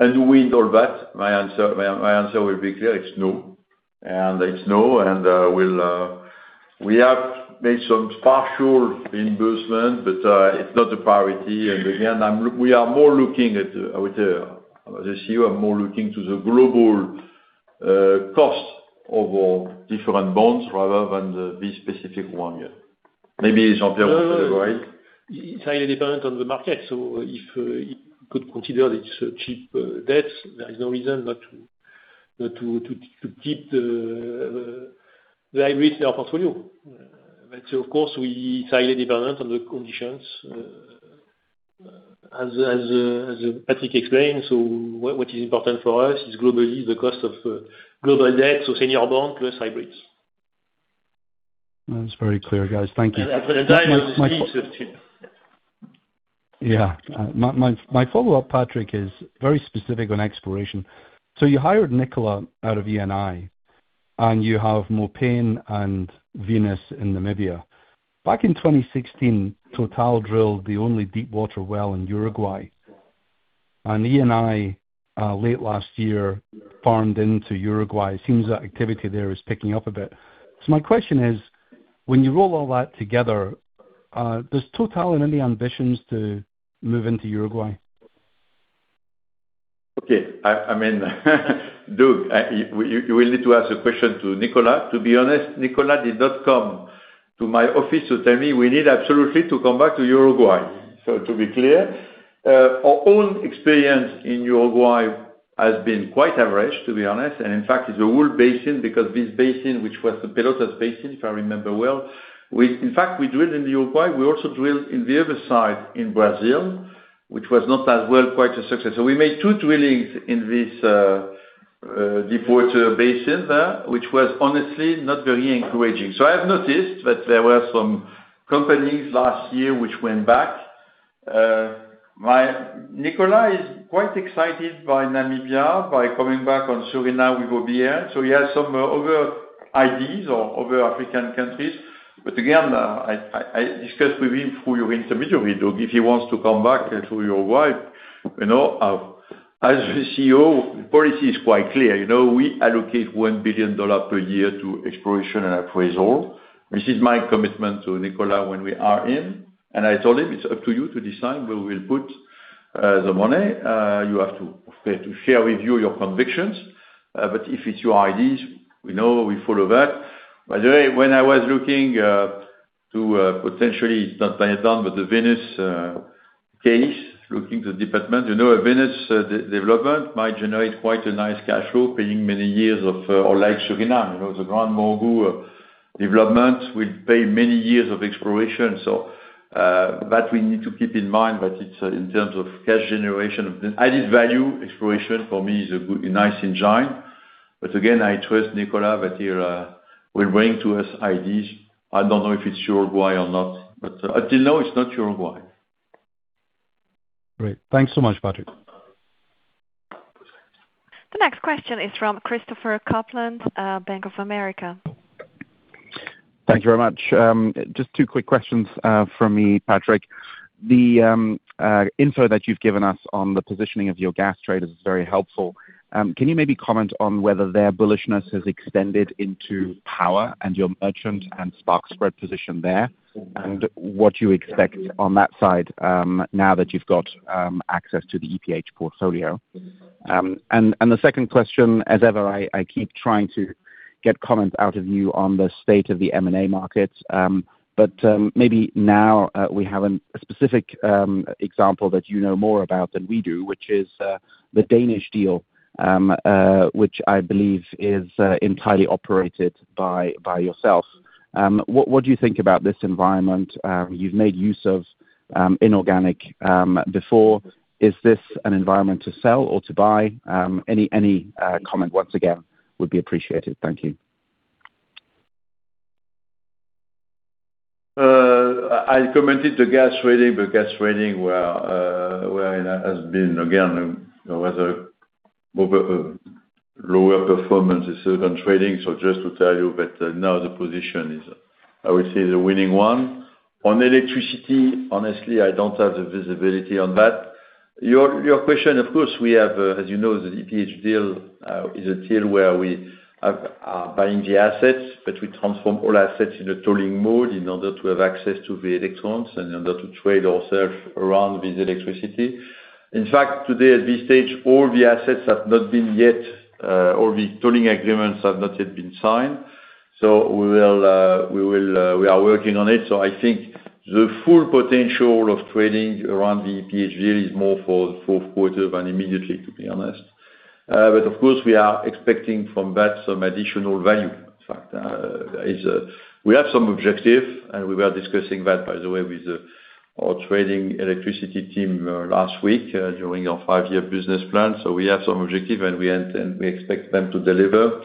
unwind all that? My answer will be clear. It's no. It's no, we have made some partial reimbursement, but it's not a priority. Again, we are more looking at, I would say, this year, I'm more looking to the global cost of our different bonds rather than this specific one, yeah. Maybe Jean-Pierre will say right. It is highly dependent on the market. If you could consider these cheap debts, there is no reason not to keep the hybrids in our portfolio. Of course, we highly dependent on the conditions, as Patrick explained. What is important for us is globally the cost of global debt, senior bond plus hybrids. That's very clear, guys. Thank you. The dynamic is Q15. Yeah. My follow-up, Patrick, is very specific on exploration. You hired Nicola out of Eni, and you have Mopane and Venus in Namibia. Back in 2016, Total drilled the only deep water well in Uruguay. Eni, late last year, farmed into Uruguay. It seems that activity there is picking up a bit. My question is, when you roll all that together, does Total any ambitions to move into Uruguay? Okay, Doug, you will need to ask the question to Nicola. To be honest, Nicola did not come to my office to tell me, we need absolutely to come back to Uruguay. To be clear, our own experience in Uruguay has been quite average, to be honest. In fact, it's a whole basin because this basin, which was the Pelotas basin, if I remember well, in fact, we drilled in Uruguay. We also drilled in the other side in Brazil, which was not as well quite a success. We made two drillings in this deep water basin there, which was honestly not very encouraging. I have noticed that there were some companies last year which went back. Nicola is quite excited by Namibia, by coming back on Suriname with. [inaudible] He has some other ideas or other African countries. Again, I discussed with him through your intermediary, Doug, if he wants to come back to Uruguay. As the CEO, the policy is quite clear. We allocate $1 billion per year to exploration and appraisal. This is my commitment to Nicola when we are in. I told him, it's up to you to decide where we will put the money. You have to share with you your convictions. If it's your ideas, we know, we follow that. By the way, when I was looking to potentially not buy it down, but the Venus case, looking to development, Venus development might generate quite a nice cash flow, paying many years of or like Suriname, the GranMorgu development will pay many years of exploration. That we need to keep in mind that it's in terms of cash generation. Added value exploration for me is a nice engine. Again, I trust Nicola that he will bring to us ideas. I don't know if it's Uruguay or not, until now, it's not Uruguay. Great. Thanks so much, Patrick. The next question is from Christopher Kuplent, Bank of America. Thank you very much. Just two quick questions from me, Patrick. The info that you've given us on the positioning of your gas traders is very helpful. What you expect on that side, now that you've got access to the EPH portfolio? The second question, as ever, I keep trying to get comments out of you on the state of the M&A market. Maybe now, we have a specific example that you know more about than we do, which is the Danish deal, which I believe is entirely operated by yourself. What do you think about this environment? You've made use of inorganic before. Is this an environment to sell or to buy? Any comment once again would be appreciated. Thank you. I commented to gas trading, gas trading has been, again, lower performance on trading. Just to tell you that now the position is, I would say, the winning one. On electricity, honestly, I don't have the visibility on that. Your question, of course, we have, as you know, the EPH deal is a deal where we are buying the assets, but we transform all assets in a tolling mode in order to have access to the electrons, in order to trade ourself around with electricity. In fact, today at this stage, all the assets have not been yet, all the tolling agreements have not yet been signed. We are working on it. I think the full potential of trading around the EPH deal is more for the fourth quarter than immediately, to be honest. Of course, we are expecting from that some additional value. In fact, we have some objective, and we were discussing that, by the way, with our trading electricity team last week during our five-year business plan. We have some objective, and we expect them to deliver.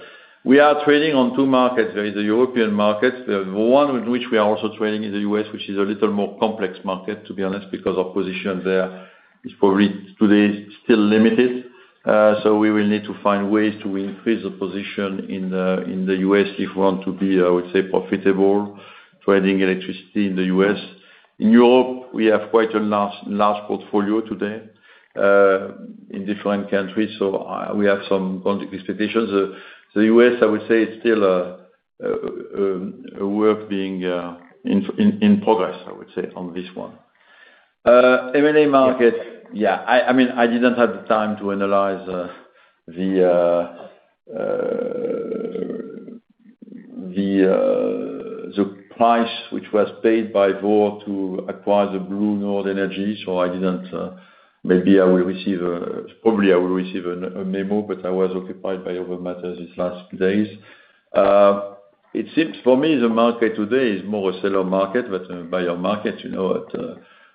We are trading on two markets. There is the European market. There is one with which we are also trading in the U.S., which is a little more complex market, to be honest, because our position there is probably today still limited. We will need to find ways to increase the position in the U.S. if we want to be, I would say, profitable trading electricity in the U.S.. In Europe, we have quite a large portfolio today in different countries. We have some project expectations. The U.S., I would say, it's still a work being in progress, I would say, on this one. M&A market. I didn't have the time to analyze the price which was paid by Vår Energi to acquire the BlueNord energy. Probably I will receive a memo, but I was occupied by other matters these last days. It seems for me, the market today is more a seller-market than a buyer-market.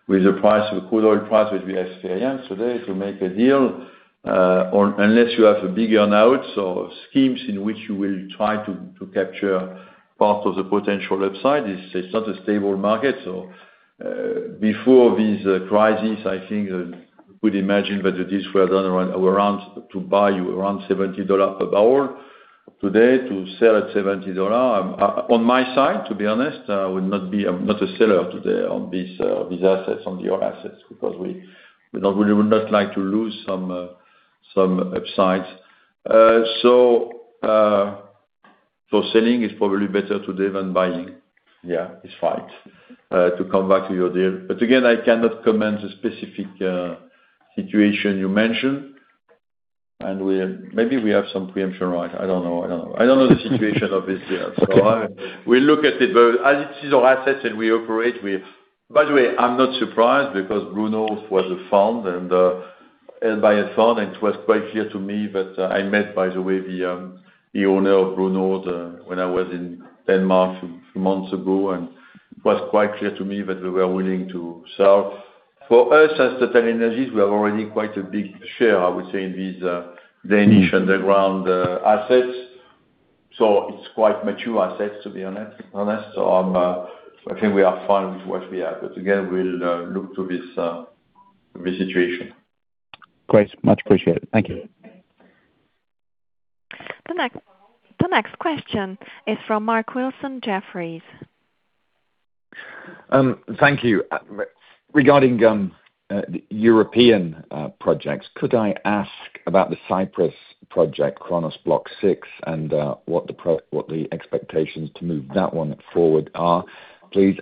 With the price of crude oil price, which we have today, if you make a deal, or unless you have bigger now or schemes in which you will try to capture part of the potential upside, it's not a stable market. Before this crisis, I think you could imagine that the deals were done around to buy you around $70 per barrel. Today, to sell at $70 per barrel. On my side, to be honest, I would not be a seller today on these assets, on your assets, because we would not like to lose some upside. Selling is probably better today than buying. Yeah, it's fine, to come back to your deal. Again, I cannot comment the specific situation you mentioned. Maybe we have some pre-emption right. I don't know. I don't know the situation obviously. We'll look at it. As it is our assets and we operate with-- By the way, I'm not surprised because BlueNord was bought and by a fund, and it was quite clear to me that I met, by the way, the owner of BlueNord, when I was in Denmark a few months ago, and it was quite clear to me that they were willing to sell. For us, as TotalEnergies, we have already quite a big share, I would say, in these Danish underground assets. It's quite mature assets, to be honest. I think we are fine with what we have. Again, we'll look to this situation. Great. Much appreciated. Thank you. The next question is from Mark Wilson, Jefferies. Thank you. Regarding European projects, could I ask about the Cyprus project, Cronos Block 6, and what the expectations to move that one forward are, please?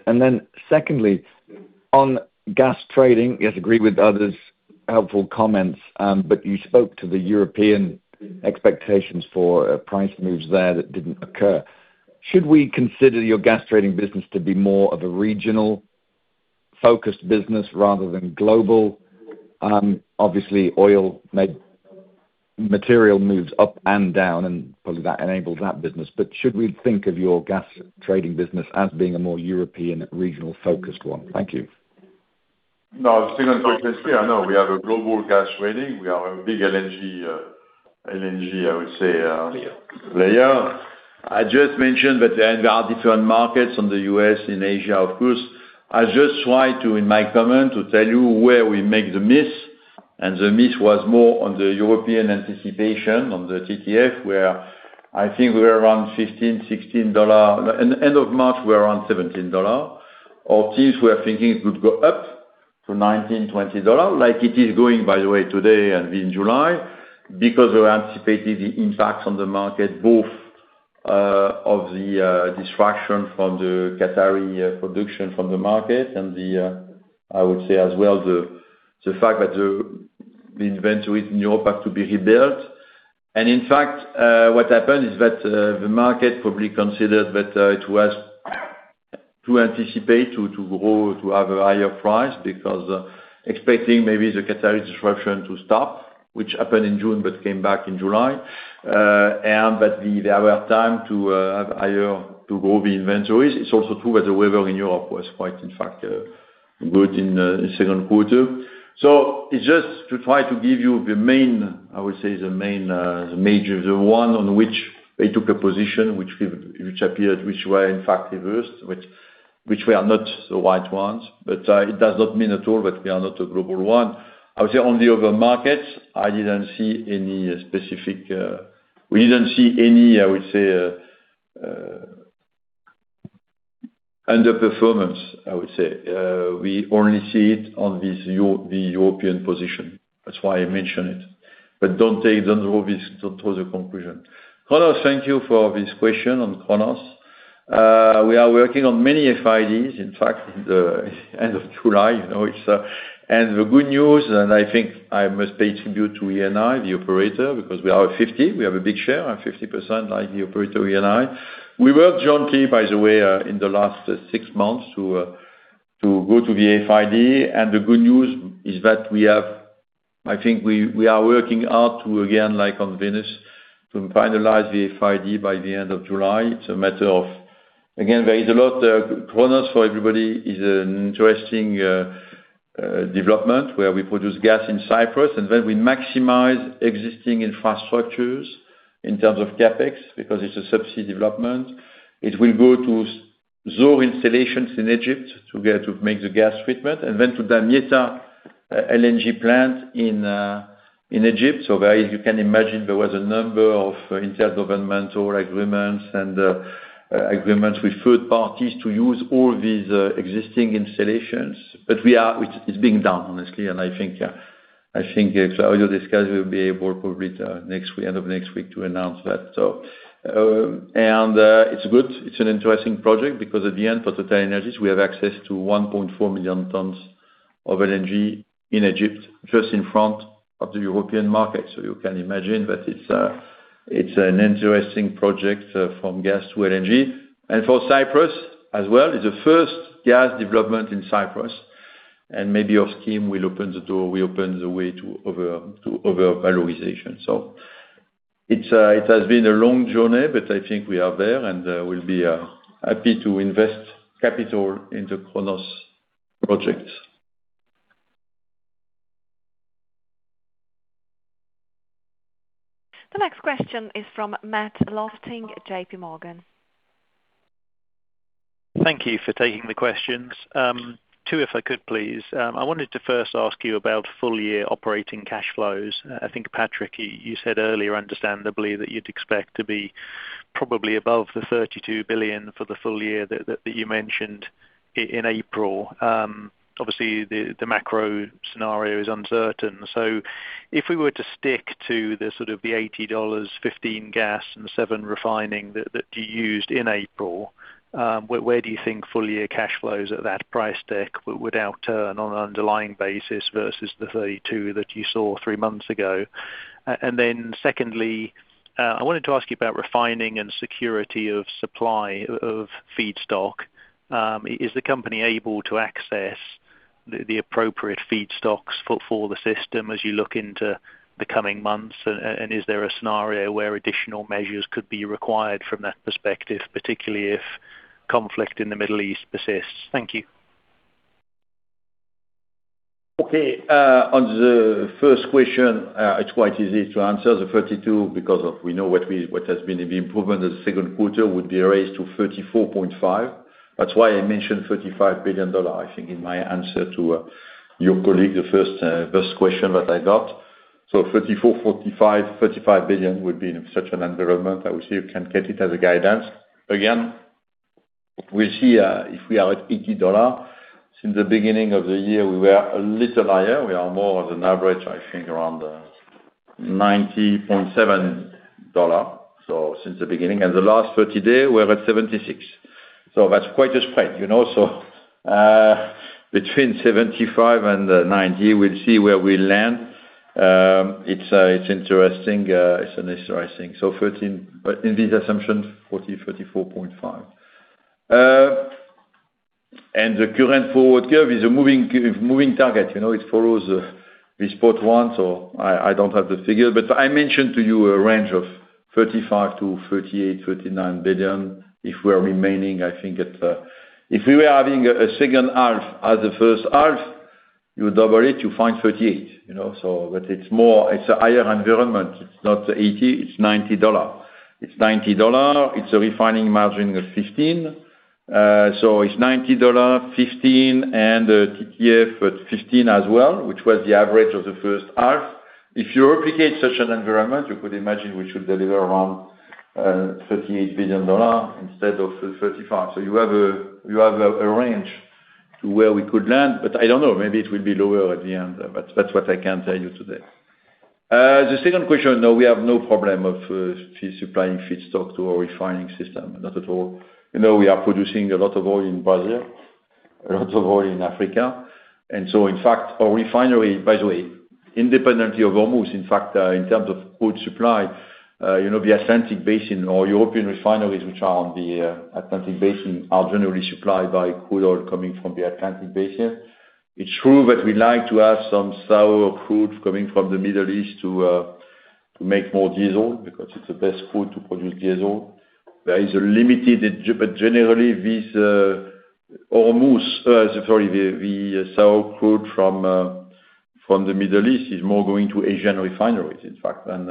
Secondly, on gas trading, yes, agree with others' helpful comments, you spoke to the European expectations for price moves there that didn't occur. Should we consider your gas trading business to be more of a regional-focused business rather than global? Obviously, oil material moves up and down and probably that enables that business. Should we think of your gas trading business as being a more European regional-focused one? Thank you. No, still not quite clear. No, we have a global gas trading. We are a big LNG, I would say, player. I just mentioned that there are different markets in the U.S., in Asia, of course. I just try to, in my comment, to tell you where we make the miss, the miss was more on the European anticipation on the TTF, where I think we are around $15 per MMBtu-$16 per MMBtu. End of March, we're around $17 per MMBtu. Since we are thinking it would go up to $19 per MMBtu-$20 per MMBtu, like it is going, by the way, today and in July, because we anticipated the impact on the market, both of the distraction from the Qatari production from the market and the, I would say as well, the fact that the inventory in Europe had to be rebuilt. In fact, what happened is that the market probably considered that it was to anticipate to grow to have a higher price because expecting maybe the Qatari disruption to stop, which happened in June, but came back in July. That there were time to have higher to grow the inventories. It's also true that the weather in Europe was quite, in fact, good in the second quarter. It's just to try to give you the main, the major, the one on which they took a position which appeared, which were in fact reversed, which were not the right ones. It does not mean at all that we are not a global one. I would say on the other markets, I didn't see any specific. We didn't see any, I would say, underperformance, I would say. We only see it on the European position. That's why I mentioned it. Don't draw this to the conclusion. Thank you for this question on Cronos. We are working on many FIDs. In fact, the end of July. The good news, and I think I must pay tribute to Eni, the operator, because we are at 50%. We have a big share, 50% like the operator, Eni. We work jointly, by the way, in the last six months to go to the FID. The good news is that I think we are working hard to, again, like on Venus, to finalize the FID by the end of July. It's a matter of, again, there is a lot, Cronos for everybody is an interesting development where we produce gas in Cyprus, and then we maximize existing infrastructures in terms of CapEx, because it's a subsea development. It will go to Zohr installations in Egypt to make the gas treatment, and then to Damietta LNG plant in Egypt. You can imagine there was a number of inter-governmental agreements and agreements with third parties to use all these existing installations. It's being done, honestly, and I think as [inaudible] discussed, we'll be able, probably at the end of next week, to announce that. It's good. It's an interesting project because at the end, for TotalEnergies, we have access to 1.4 million tons of LNG in Egypt, just in front of the European market. You can imagine that it's an interesting project from gas to LNG. For Cyprus as well, it's the first gas development in Cyprus, and maybe our scheme will open the door, will open the way to other valorization. It has been a long journey, but I think we are there, and we'll be happy to invest capital in the Cronos project. The next question is from Matt Lofting, JPMorgan. Thank you for taking the questions. Two, if I could, please. I wanted to first ask you about full-year operating cash flows. I think, Patrick, you said earlier, understandably, that you'd expect to be probably above the $32 billion for the full year that you mentioned in April. Obviously, the macro scenario is uncertain. If we were to stick to the sort of $80 per barrel, $15 MMBtu gas, and $7 per barrel refining that you used in April, where do you think full-year cash flows at that price deck would outturn on an underlying basis versus the $32 billion that you saw three months ago? Then secondly, I wanted to ask you about refining and security of supply of feedstock. Is the company able to access the appropriate feedstocks for the system as you look into the coming months? Is there a scenario where additional measures could be required from that perspective, particularly if conflict in the Middle East persists? Thank you. Okay. On the first question, it's quite easy to answer. The $32 billion, because we know what has been the improvement in the second quarter, would be raised to $34.5 billion. That's why I mentioned $35 billion, I think, in my answer to your colleague, the first question that I got. $34.5 billion-$35 billion would be in such an environment. I will say you can get it as a guidance. Again, we'll see if we are at $80 per barrel. Since the beginning of the year, we were a little higher. We are more on an average, I think, around $90.70 per barrel since the beginning. The last 30 days, we're at $76 per barrel. That's quite a spread. Between $75 per barrel and $90 per barrel, we'll see where we land. It's interesting. In these assumptions, $40 billion-$44.5 billion. The current forward curve is a moving target. It follows the spot one. I don't have the figure. I mentioned to you a range of $35 billion-$38 billion-$39 billion. If we were having a second half as the first half, you double it, you find $38 billion. It's a higher environment. It's not $80 per barrel, it's $90 per barrel. It's $90 per barrel. It's a refining margin of $15. It's $90 per barrel, $15 MMBtu, and TTF at $15 MMBtu as well, which was the average of the first half. If you replicate such an environment, you could imagine we should deliver around $38 billion instead of $35 billion. You have a range to where we could land, but I don't know, maybe it will be lower at the end. That's what I can tell you today. The second question, no, we have no problem of supplying feedstock to our refining system. Not at all. We are producing a lot of oil in Brazil, a lot of oil in Africa. In fact, our refinery, by the way, independently of Hormuz, in fact, in terms of crude supply, the Atlantic Basin or European refineries, which are on the Atlantic Basin, are generally supplied by crude oil coming from the Atlantic Basin. It's true that we like to have some sour crude coming from the Middle East to make more diesel because it's the best crude to produce diesel. There is a limited, but generally, Hormuz. Sorry, the sour crude from the Middle East is more going to Asian refineries, in fact, than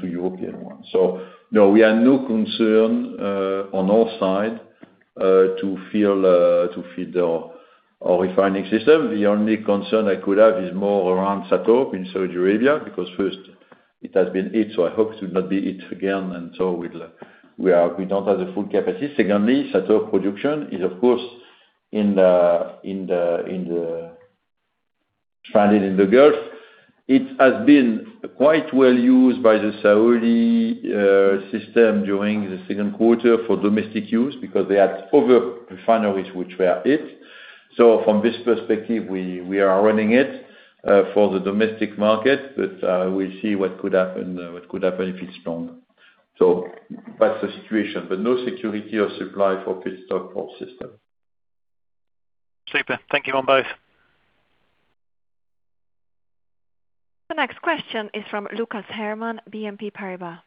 to European ones. No, we have no concern on our side to feed our refining system. The only concern I could have is more around SATORP in Saudi Arabia, because first it has been hit. I hope it will not be hit again. We don't have the full capacity. Secondly, SATORP production is, of course, stranded in the Gulf. It has been quite well used by the Saudi system during the second quarter for domestic use because they had other refineries which were hit. From this perspective, we are running it for the domestic market, but we'll see what could happen if it's gone. That's the situation, but no security of supply for feedstock or system. Super. Thank you on both. The next question is from Lucas Herrmann, BNP Paribas.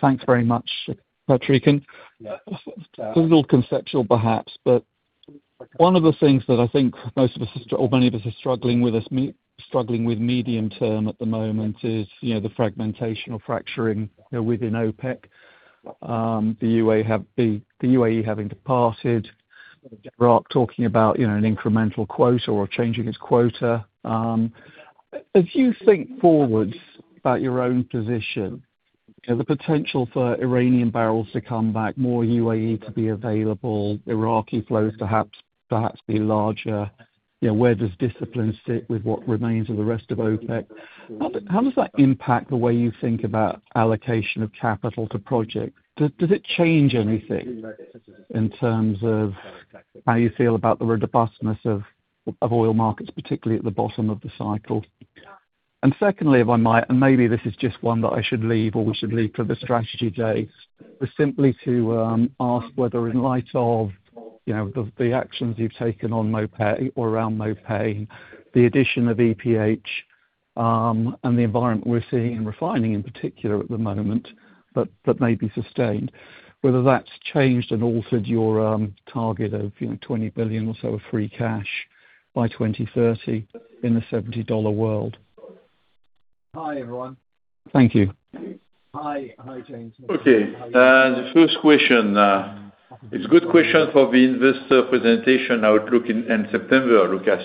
Thanks very much, Patrick. This is a little conceptual perhaps, but one of the things that I think most of us or many of us are struggling with medium term at the moment is the fragmentation or fracturing within OPEC. The UAE having departed, Iraq talking about an incremental quota or changing its quota. If you think forwards about your own position, the potential for Iranian barrels to come back, more UAE to be available, Iraqi flows perhaps be larger, where does discipline sit with what remains of the rest of OPEC? How does that impact the way you think about allocation of capital to projects? Does it change anything in terms of how you feel about the robustness of oil markets, particularly at the bottom of the cycle? Secondly, if I might, and maybe this is just one that I should leave or we should leave for the strategy days, was simply to ask whether in light of the actions you've taken on Mopane or around Mopane, the addition of EPH, and the environment we're seeing in refining, in particular at the moment, that may be sustained, whether that's changed and altered your target of 20 billion or so of free cash by 2030 in a $70 per barrel world. Thank you. Okay. The first question. It's good question for the investor presentation outlook in September, Lucas,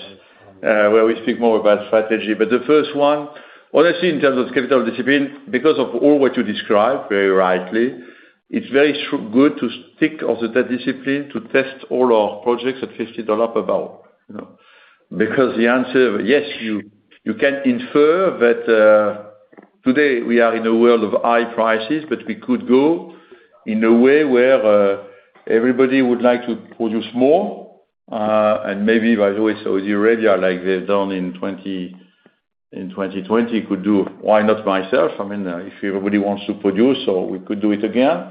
where we speak more about strategy. The first one, what I see in terms of capital discipline, because of all what you described very rightly, it's very good to stick of the discipline to test all our projects at $50 per barrel. The answer, yes, you can infer that today we are in a world of high prices, but we could go in a way where everybody would like to produce more. Maybe, by the way, Saudi Arabia, like they've done in 2020, could do. Why not myself? If everybody wants to produce, we could do it again.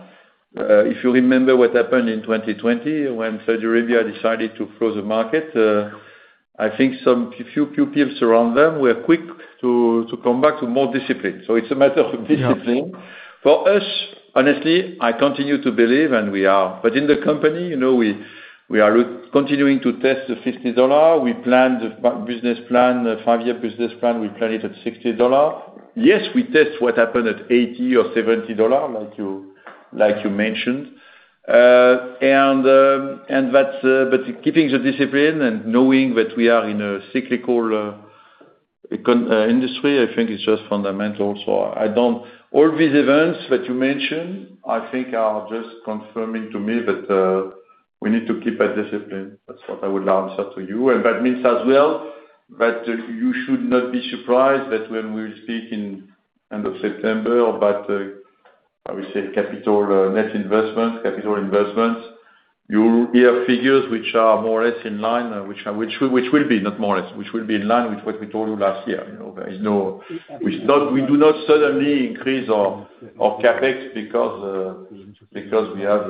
If you remember what happened in 2020 when Saudi Arabia decided to close the market, I think some few peeps around them were quick to come back to more discipline. It's a matter of discipline. For us, honestly, I continue to believe, and we are. In the company, we are continuing to test the $50 per barrel. We planned the five-year business plan. We plan it at $60 per barrel. Yes, we test what happened at $80 per barrel or $70 per barrel, like you mentioned. Keeping the discipline and knowing that we are in a cyclical industry, I think it's just fundamental. All these events that you mentioned, I think are just confirming to me that we need to keep a discipline. That's what I would answer to you. That means as well that you should not be surprised that when we speak in end of September about, how we say, capital net investment, capital investments, you hear figures which are more or less in line, which will be not more or less, which will be in line with what we told you last year. We do not suddenly increase our CapEx because we have,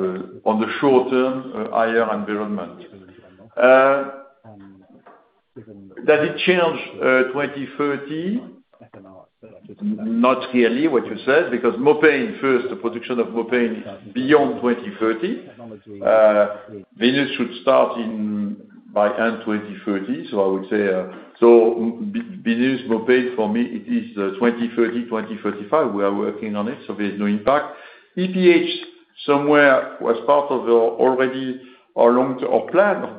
on the short term, a higher environment. That it changed 2030, not really what you said, because Mopane, first, the production of Mopane is beyond 2030. Venus should start by end-2030. I would say Venus, Mopane for me, it is 2030-2035. We are working on it, there's no impact. EPH somewhere was part of our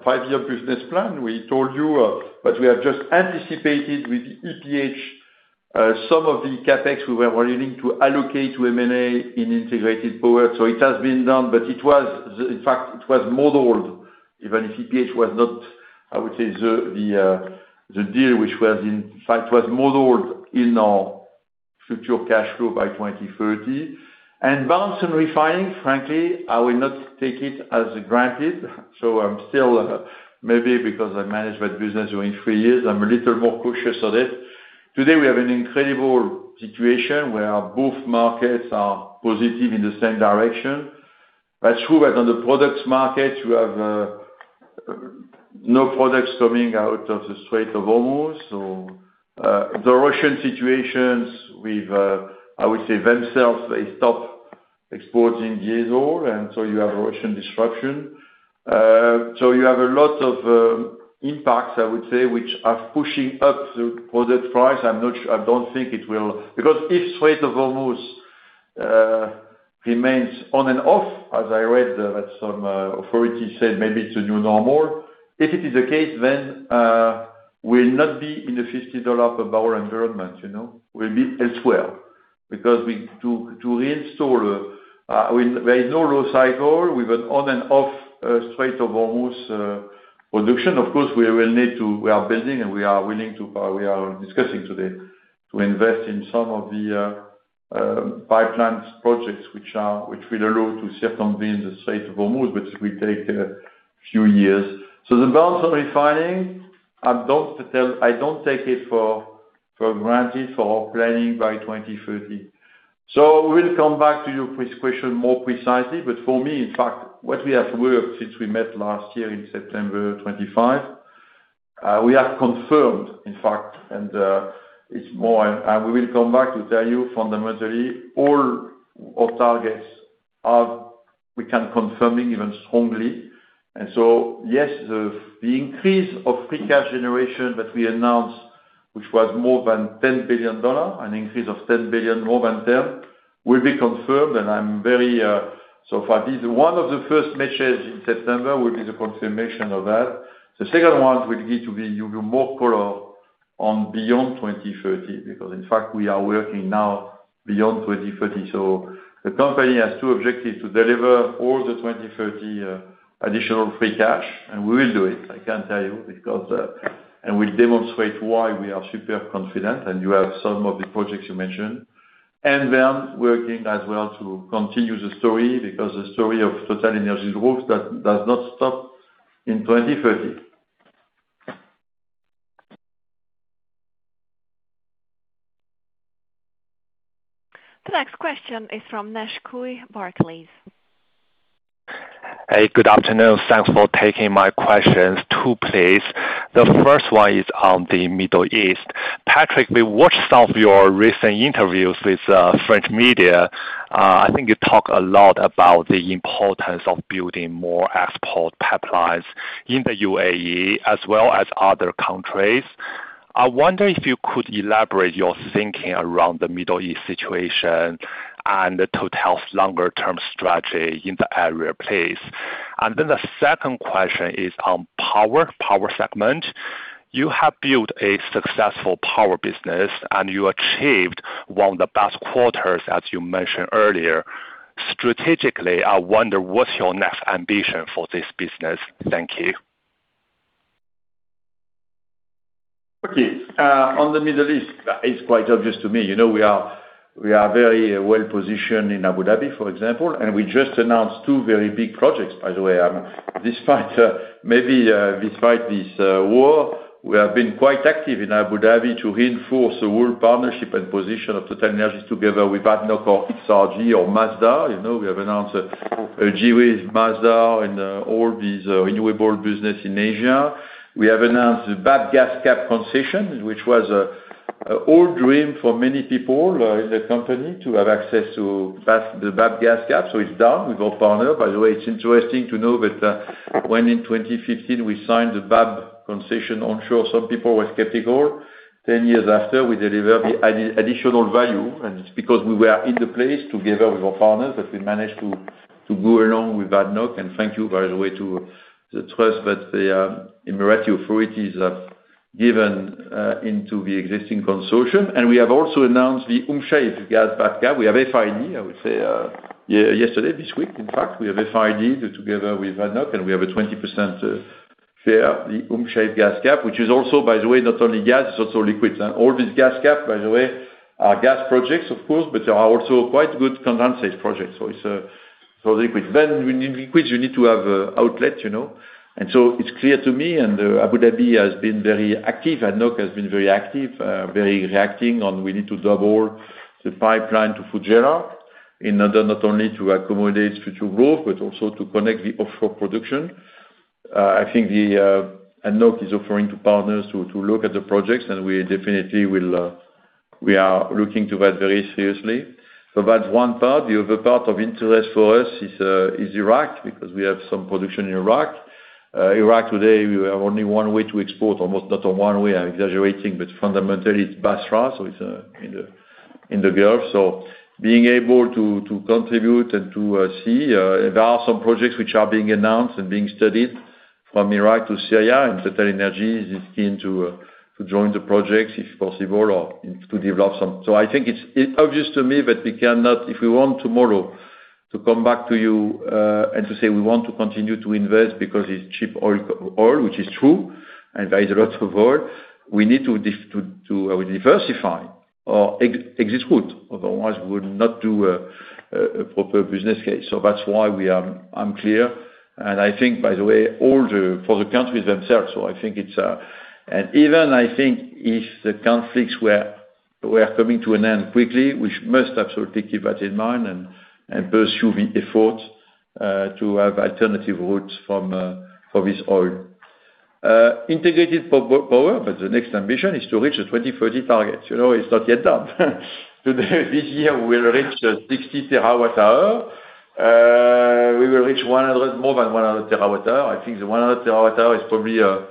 five-year business plan. We told you, we have just anticipated with EPH some of the CapEx we were willing to allocate to M&A in integrated power. It has been done, in fact it was modeled, even if EPH was not the deal which was modeled in our future cash flow by 2030. Balance and refining, frankly, I will not take it as granted. I'm still, maybe because I managed that business during three years, I'm a little more cautious of that. Today, we have an incredible situation where both markets are positive in the same direction. That's true, that on the products market, you have no products coming out of the Strait of Hormuz. The Russian situations with themselves, they stop exporting diesel, you have Russian disruption. You have a lot of impacts which are pushing up the product price. I don't think if Strait of Hormuz remains on and off, as I read that some authority said maybe it's a new normal. If it is the case, we'll not be in the $50 per barrel environment. We'll be elsewhere because there is no real cycle with an on and off Strait of Hormuz production. Of course, we are building and we are discussing today to invest in some of the pipelines projects which will allow to circumvent the Strait of Hormuz, which will take a few years. The balance of refining, I don't take it for granted for our planning by 2030. We'll come back to your question more precisely. For me, in fact, what we have worked since we met last year in September 2025, we have confirmed, in fact, it's more, we will come back to tell you fundamentally all our targets are confirming even strongly. Yes, the increase of free cash generation that we announced, which was more than $10 billion, an increase of more than $10 billion, will be confirmed. Far, this is one of the first messages in September, which is a confirmation of that. The second one will give you more color on beyond 2030, because in fact, we are working now beyond 2030. The company has two objectives, to deliver all the 2030 additional free cash, and we will do it, I can tell you, and we'll demonstrate why we are super confident, and you have some of the projects you mentioned. Working as well to continue the story, because the story of TotalEnergies' growth does not stop in 2030. The next question is from Naish Cui, Barclays. Hey, good afternoon. Thanks for taking my questions. Two, please. The first one is on the Middle East. Patrick, we watched some of your recent interviews with French media. I think you talk a lot about the importance of building more export pipelines in the UAE as well as other countries. I wonder if you could elaborate your thinking around the Middle East situation and TotalEnergies's longer-term strategy in the area, please. The second question is on power segment. You have built a successful power business, and you achieved one of the best quarters, as you mentioned earlier. Strategically, I wonder, what's your next ambition for this business? Thank you. Okay. On the Middle East, it's quite obvious to me. We are very well-positioned in Abu Dhabi, for example, and we just announced two very big projects, by the way. Maybe despite this war, we have been quite active in Abu Dhabi to reinforce the whole partnership and position of TotalEnergies together with ADNOC or XRG or Masdar. We have announced a joint with Masdar in all these renewable business in Asia. We have announced the Bab Gas Cap concession, which was an old dream for many people in the company to have access to the Bab Gas Cap. It's done. We've got partner. By the way, it's interesting to know that when in 2015 we signed the Bab concession onshore, some people were skeptical. Ten years after, we deliver the additional value, and it's because we were in the place together with our partners that we managed to go along with ADNOC. Thank you, by the way, to the trust that the Emirati authorities have given into the existing consortium. We have also announced the Umm Shaif Gas Cap. We have FID, I would say, yesterday, this week, in fact. We have FID together with ADNOC, and we have a 20% share. The Umm Shaif Gas Cap, which is also, by the way, not only gas, it's also liquids. All these gas cap, by the way, are gas projects, of course, but there are also quite good condensate projects. It's a liquid. When you need liquids, you need to have an outlet. It's clear to me, and Abu Dhabi has been very active. ADNOC has been very active, very reacting on we need to double the pipeline to Fujairah in order not only to accommodate future growth, but also to connect the offshore production. I think ADNOC is offering to partners to look at the projects, and we are looking to that very seriously. That's one part. The other part of interest for us is Iraq, because we have some production in Iraq. Iraq today, we have only one way to export. Almost not one way, I'm exaggerating, but fundamentally it's Basra, so it's in the Gulf. Being able to contribute and to see. There are some projects which are being announced and being studied from Iraq to Syria, and TotalEnergies is keen to join the projects, if possible, or to develop some. I think it's obvious to me that if we want tomorrow to come back to you and to say we want to continue to invest because it's cheap oil, which is true, and there is a lot of oil. We need to diversify our exit route. Otherwise, we would not do a proper business case. That's why I'm clear, and I think, by the way, for the countries themselves. Even, I think, if the conflicts were coming to an end quickly, we must absolutely keep that in mind and pursue the effort to have alternative routes for this oil. Integrated power, but the next ambition is to reach the 2030 target. It's not yet done. This year, we'll reach 60 TWh. We will reach more than 100 TWh. I think the 100 TWh is probably the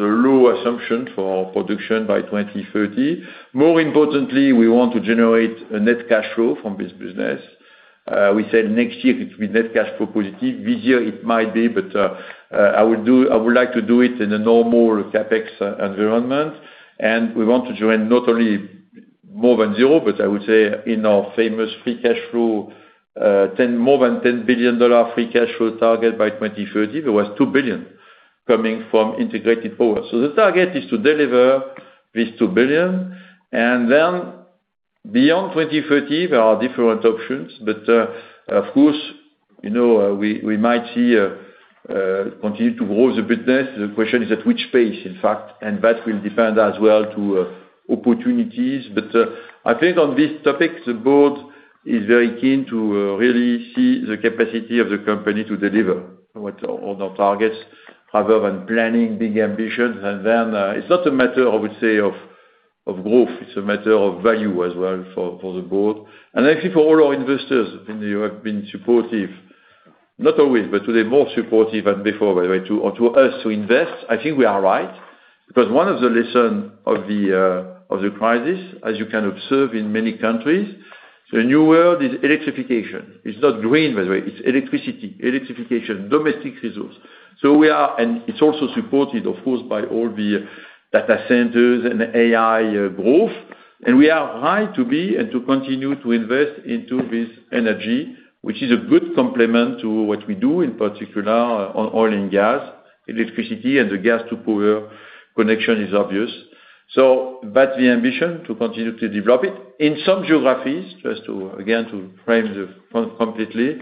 low assumption for production by 2030. More importantly, we want to generate a net cash flow from this business. We said next year it will be net cash flow positive. This year it might be, but I would like to do it in a normal CapEx environment. We want to join not only more than zero, but I would say in our famous more than $10 billion free cash flow target by 2030. There was $2 billion coming from integrated power. The target is to deliver this $2 billion, and then beyond 2030, there are different options. Of course, we might continue to grow the business. The question is at which pace, in fact, and that will depend as well to opportunities. I think on this topic, the Board is very keen to really see the capacity of the company to deliver on our targets rather than planning big ambitions. Then it's not a matter, I would say of growth. It's a matter of value as well for the Board. I think for all our investors who have been supportive, not always, but today more supportive than before, by the way, to us to invest. I think we are right, because one of the lessons of the crisis, as you can observe in many countries, the new world is electrification. It's not green, by the way. It's electricity, electrification, domestic resource. It's also supported, of course, by all the data centers and AI growth. We are right to be and to continue to invest into this energy, which is a good complement to what we do, in particular on oil and gas, electricity and the gas to power connection is obvious. The ambition to continue to develop it in some geographies, just to, again, to frame completely,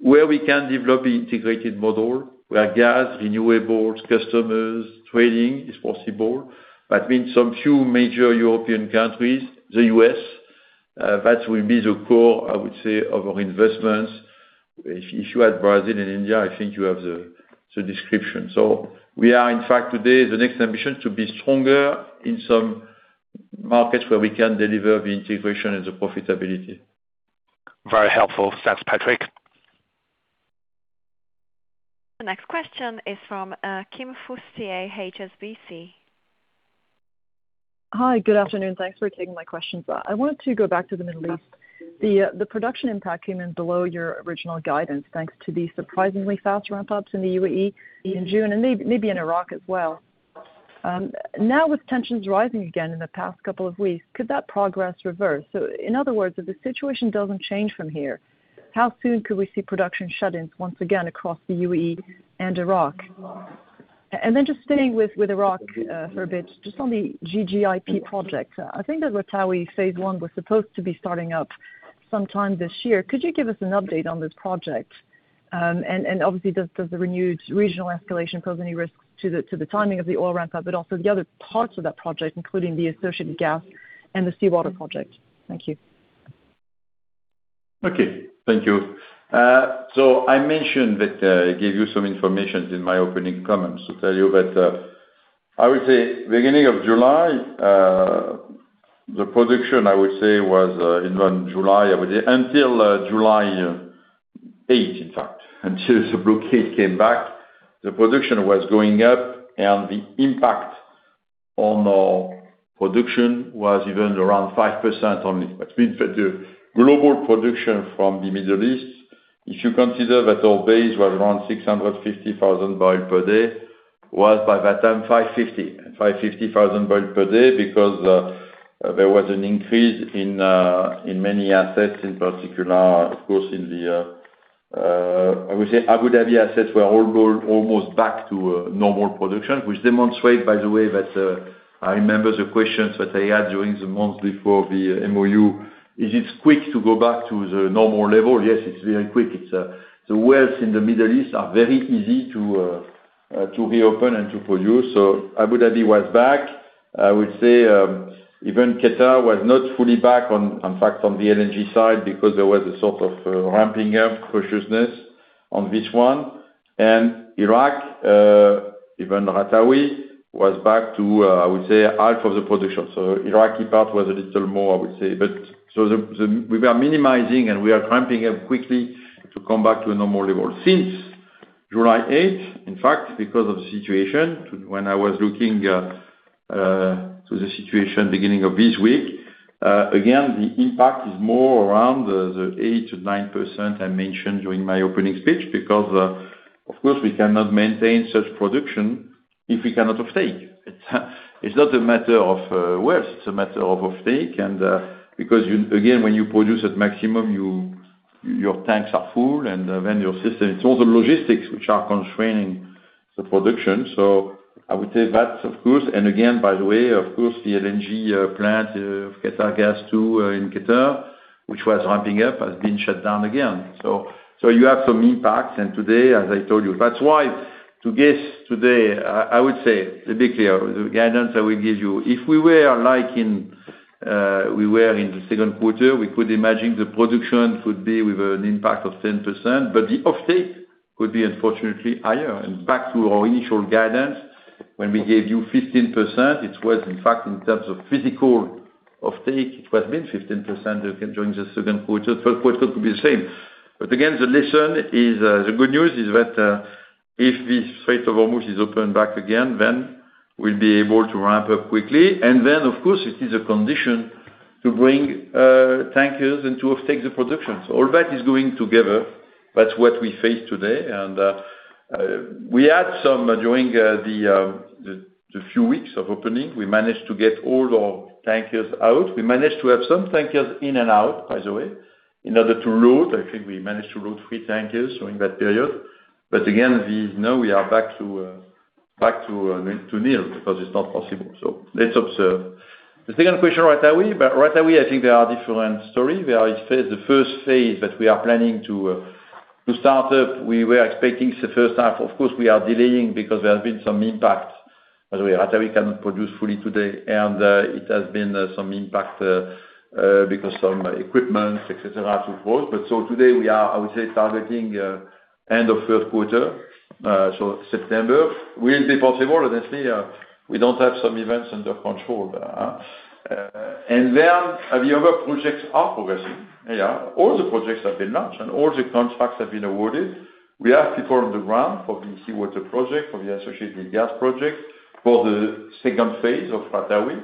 where we can develop the integrated model, where gas, renewable, customers, trading is possible. That means some few major European countries, the U.S., that will be the core, I would say, of our investments. If you add Brazil and India, I think you have the description. We are, in fact, today, the next ambition to be stronger in some markets where we can deliver the integration and the profitability. Very helpful. Thanks, Patrick. The next question is from Kim Fustier, HSBC. Hi. Good afternoon. Thanks for taking my questions. I wanted to go back to the Middle East. The production impact came in below your original guidance, thanks to the surprisingly fast ramp-ups in the UAE in June and maybe in Iraq as well. Now, with tensions rising again in the past couple of weeks, could that progress reverse? In other words, if the situation doesn't change from here, how soon could we see production shut-ins once again across the UAE and Iraq? Just staying with Iraq for a bit, just on the GGIP project. I think that Ratawi Phase 1 was supposed to be starting up sometime this year. Could you give us an update on this project? Obviously, does the renewed regional escalation pose any risks to the timing of the oil ramp-up, but also the other parts of that project, including the associated gas and the seawater project? Thank you. Okay. Thank you. I mentioned that I gave you some information in my opening comments to tell you that, I would say beginning of July, the production, I would say was in July, I would say until July 8th, in fact, until the blockade came back, the production was going up and the impact on our production was even around 5% only. The global production from the Middle East, if you consider that our base was around 650,000 bpd was by that time 550,000 bpd because there was an increase in many assets, in particular, of course, in the-- I would say Abu Dhabi assets were almost back to normal production, which demonstrate, by the way, that I remember the questions that I had during the months before the MOU. Is it quick to go back to the normal level? Yes, it's very quick. The wells in the Middle East are very easy to reopen and to produce. Abu Dhabi was back. I would say even Qatar was not fully back, in fact, on the LNG side because there was a sort of ramping up cautiousness on this one. Iraq, even Ratawi was back to, I would say, half of the production. Iraqi part was a little more, I would say. We are minimizing and we are ramping up quickly to come back to a normal level. Since July 8th, in fact, because of the situation when I was looking to the situation beginning of this week, again, the impact is more around the 8%-9% I mentioned during my opening speech because, of course, we cannot maintain such production if we cannot offtake. It's not a matter of wells, it's a matter of offtake. Because, again, when you produce at maximum, your tanks are full and then your system, it's all the logistics which are constraining the production. I would say that, of course. Again, by the way, of course, the LNG plant, Qatargas 2 in Qatar, which was ramping-up, has been shut down again. You have some impacts. Today, as I told you, that's why to guess today, I would say, to be clear, the guidance I will give you, if we were like in, we were in the second quarter, we could imagine the production would be with an impact of 10%, but the offtake would be unfortunately higher. Back to our initial guidance, when we gave you 15%, it was, in fact, in terms of physical offtake, it has been 15%, again, during the second quarter. Third quarter could be the same. Again, the lesson is, the good news is that if this Strait of Hormuz is open back again, we'll be able to ramp-up quickly. Of course, it is a condition to bring tankers and to offtake the production. All that is going together. That's what we face today. We had some during the few weeks of opening, we managed to get all our tankers out. We managed to have some tankers in and out, by the way, in order to load. I think we managed to load three tankers during that period. Again, now we are back to nil because it's not possible. Let's observe. The second question, Ratawi. Ratawi, I think they are different story. The first phase that we are planning to start up, we were expecting the first half. Of course, we are delaying because there have been some impact. By the way, Ratawi cannot produce fully today, and it has been some impact because some equipment, et cetera, of course. Today we are, I would say, targeting end of third quarter, so September. Will it be possible? Honestly, we don't have some events under control. The other projects are progressing. All the projects have been launched, and all the contracts have been awarded. We have people on the ground for the seawater project, for the associated gas project, for the second phase of Ratawi.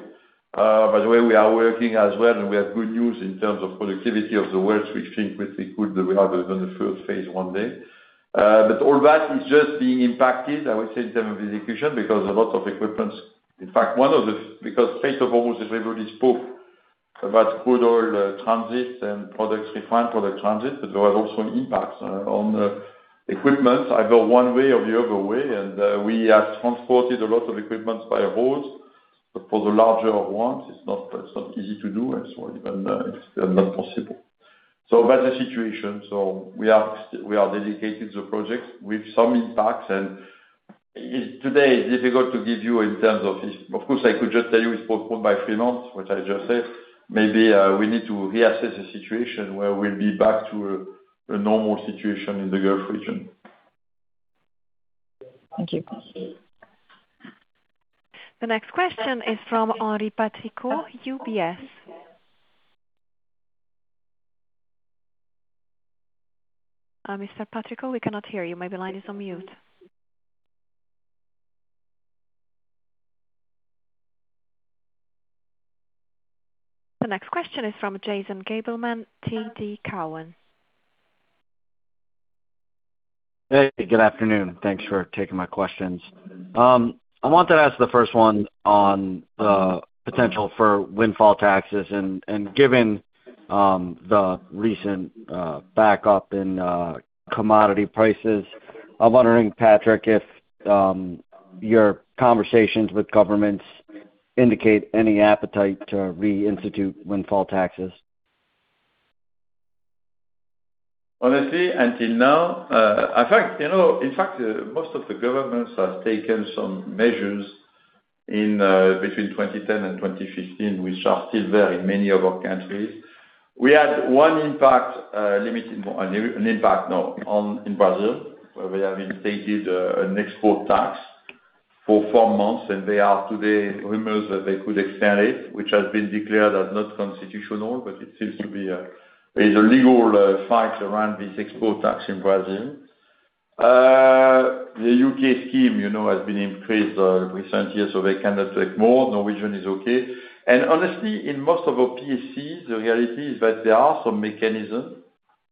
By the way, we are working as well, and we have good news in terms of productivity of the wells, which think will be good that we have than the first phase one day. All that is just being impacted, I would say, in terms of execution, because a lot of equipment. In fact, one of the first of all, everybody spoke about crude oil transit and products refined, product transit, but there was also an impact on the equipment, either one way or the other way. We have transported a lot of equipment by road, but for the larger ones, it's not easy to do, and so even it's still not possible. That's the situation. We are dedicated to the project with some impacts and today, it's difficult to give you in terms of this. Of course, I could just tell you it's postponed by three months, which I just said. Maybe we need to reassess the situation where we'll be back to a normal situation in the Gulf region. Thank you. The next question is from Henri Patricot, UBS. Mr. Patricot, we cannot hear you. Maybe line is on mute. The next question is from Jason Gabelman, TD Cowen. Hey, good afternoon. Thanks for taking my questions. I wanted to ask the first one on the potential for windfall taxes, given the recent backup in commodity prices, I'm wondering, Patrick, if your conversations with governments indicate any appetite to reinstitute windfall taxes. Honestly, until now. In fact, most of the governments have taken some measures in between 2010 and 2015, which are still there in many of our countries. We had one impact, limited, an impact now in Brazil, where we have instated an export tax for four months. There are today rumors that they could extend it, which has been declared as not constitutional, it seems to be a legal fight around this export tax in Brazil. The U.K. scheme has been increased recent years, they cannot take more. Norwegian is okay. Honestly, in most of our PSCs, the reality is that there are some mechanism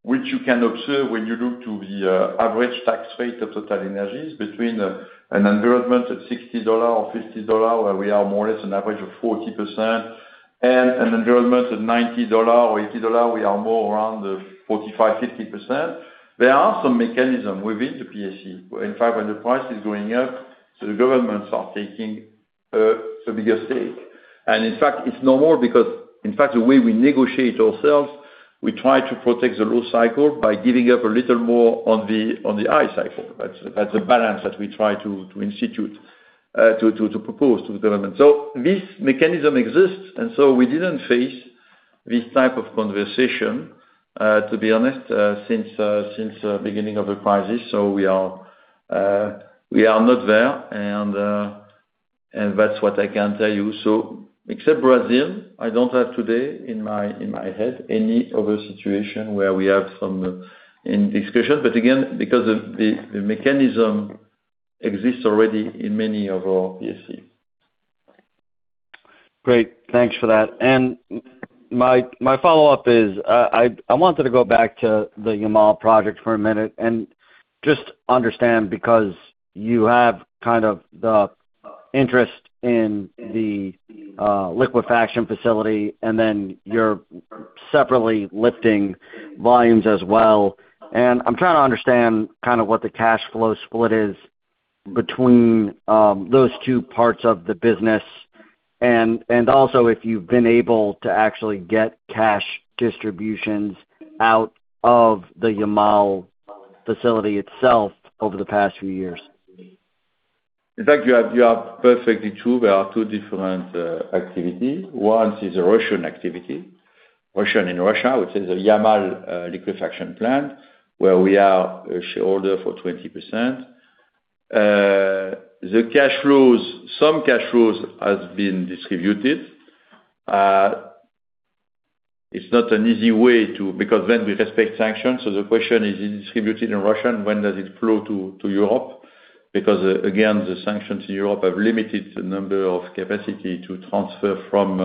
which you can observe when you look to the average tax rate of TotalEnergies between an environment at $60 per barrel or $50 per barrel where we are more or less an average of 40%, and an environment at $90 per barrel or $80 per barrel, we are more around the 45%-50%. There are some mechanism within the PSC. In fact, when the price is going up, the governments are taking a bigger stake. In fact, it's no more because in fact, the way we negotiate ourselves, we try to protect the low cycle by giving up a little more on the high cycle. That's a balance that we try to institute, to propose to the government. This mechanism exists, we didn't face this type of conversation, to be honest, since the beginning of the crisis. We are not there, and that's what I can tell you. Except Brazil, I don't have today in my head any other situation where we have some discussion. Again, because the mechanism exists already in many of our PSC. Great. Thanks for that. My follow-up is, I wanted to go back to the Yamal project for a minute and just understand, because you have kind of the interest in the liquefaction facility, and then you're separately lifting volumes as well. I'm trying to understand kind of what the cash flow split is between those two parts of the business and also if you've been able to actually get cash distributions out of the Yamal facility itself over the past few years. In fact, you are perfectly true. There are two different activities. One is a Russian activity, Russian in Russia, which is a Yamal liquefaction plant, where we are a shareholder for 20%. Some cash flows has been distributed. It's not an easy way to, because when we respect sanctions, the question is it distributed in Russia and when does it flow to Europe? Again, the sanctions in Europe have limited the number of capacity to transfer from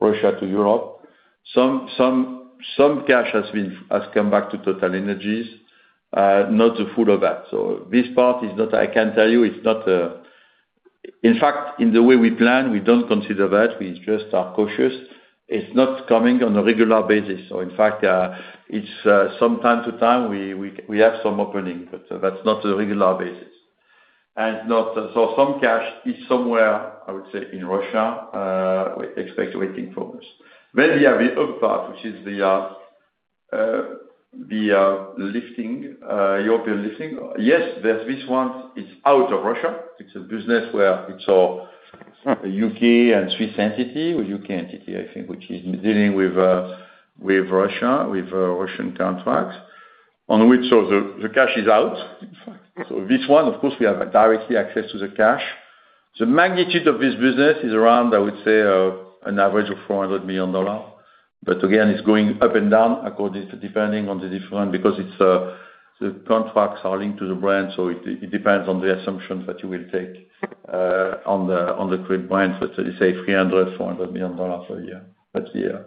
Russia to Europe. Some cash has come back to TotalEnergies, not the full of that. This part is not, I can tell you. In fact, in the way we plan, we don't consider that. We just are cautious. It's not coming on a regular basis. In fact, it's some time-to-time, we have some opening, but that's not a regular basis. Some cash is somewhere, I would say, in Russia, expect waiting for us. We have the other part, The European listing. Yes, there's this one. It's out of Russia. It's a business where it's our U.K. and Swiss entity, or U.K. entity, I think, which is dealing with Russian contracts, on which the cash is out. This one, of course, we have a direct access to the cash. The magnitude of this business is around, I would say, an average of $400 million. Again, it's going up and down depending on the different. Because the contracts are linked to the Brent, so it depends on the assumptions that you will take on the Brent. Let's say $300 million-$400 million per year. Yeah,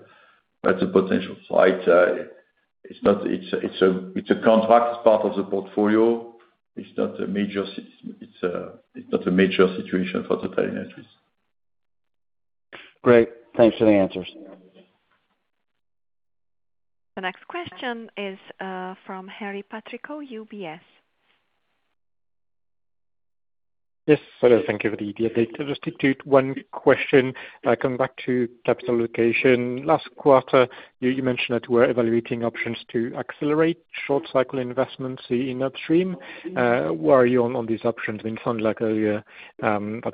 that's a potential site. It's a contract as part of the portfolio. It's not a major situation for TotalEnergies. Great. Thanks for the answers. The next question is from Henri Patricot of UBS. Yes. Hello, thank you for the update. Just one question. Coming back to capital allocation. Last quarter, you mentioned that you were evaluating options to accelerate short cycle investments in upstream. Where are you on these options? It sound like that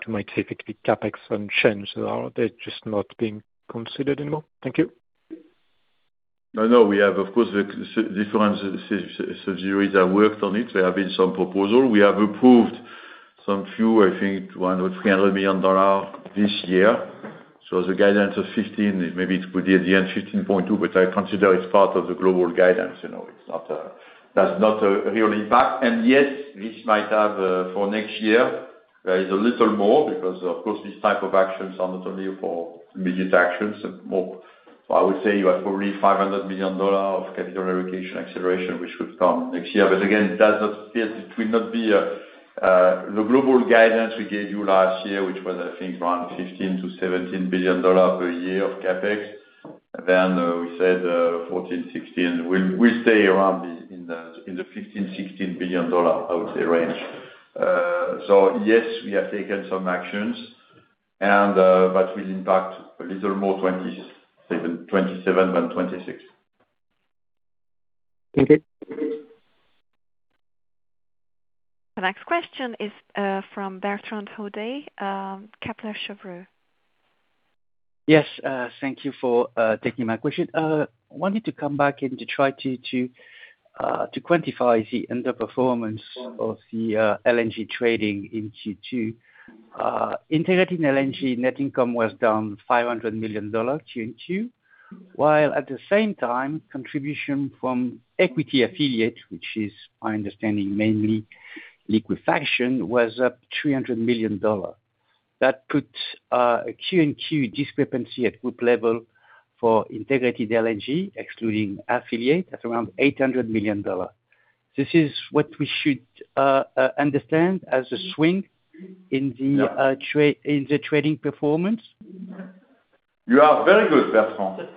you might typically CapEx on chains. Are they just not being considered anymore? Thank you. No, we have, of course, the different subsidiaries have worked on it. There have been some proposals. We have approved some few, I think around $300 million this year. The guidance of $15 billion, maybe it's good at the end, $15.2 billion, which I consider is part of the global guidance. That's not a real impact. This might have for next year, there is a little more because, of course, these type of actions are not only for immediate actions. I would say you have probably $500 million of capital allocation acceleration, which would come next year. The global guidance we gave you last year, which was, I think, around $15 billion-$17 billion per year of CapEx. We said, $14 billion-$16 billion. We'll stay around in the $15 billion-$16 billion, I would say, range. Yes, we have taken some actions, but will impact a little more 2027 than 2026. Thank you. The next question is from Bertrand Hodée, Kepler Cheuvreux. Yes. Thank you for taking my question. Wanted to come back and to try to quantify the underperformance of the LNG trading in Q2. Integrated LNG net income was down $500 million, Q2. While at the same time, contribution from equity affiliate, which is my understanding, mainly liquefaction, was up $300 million. That puts a Q-on-Q discrepancy at group level for integrated LNG, excluding affiliate, at around $800 million. This is what we should understand as a swing in the- Yeah trading performance? You are very good, Bertrand.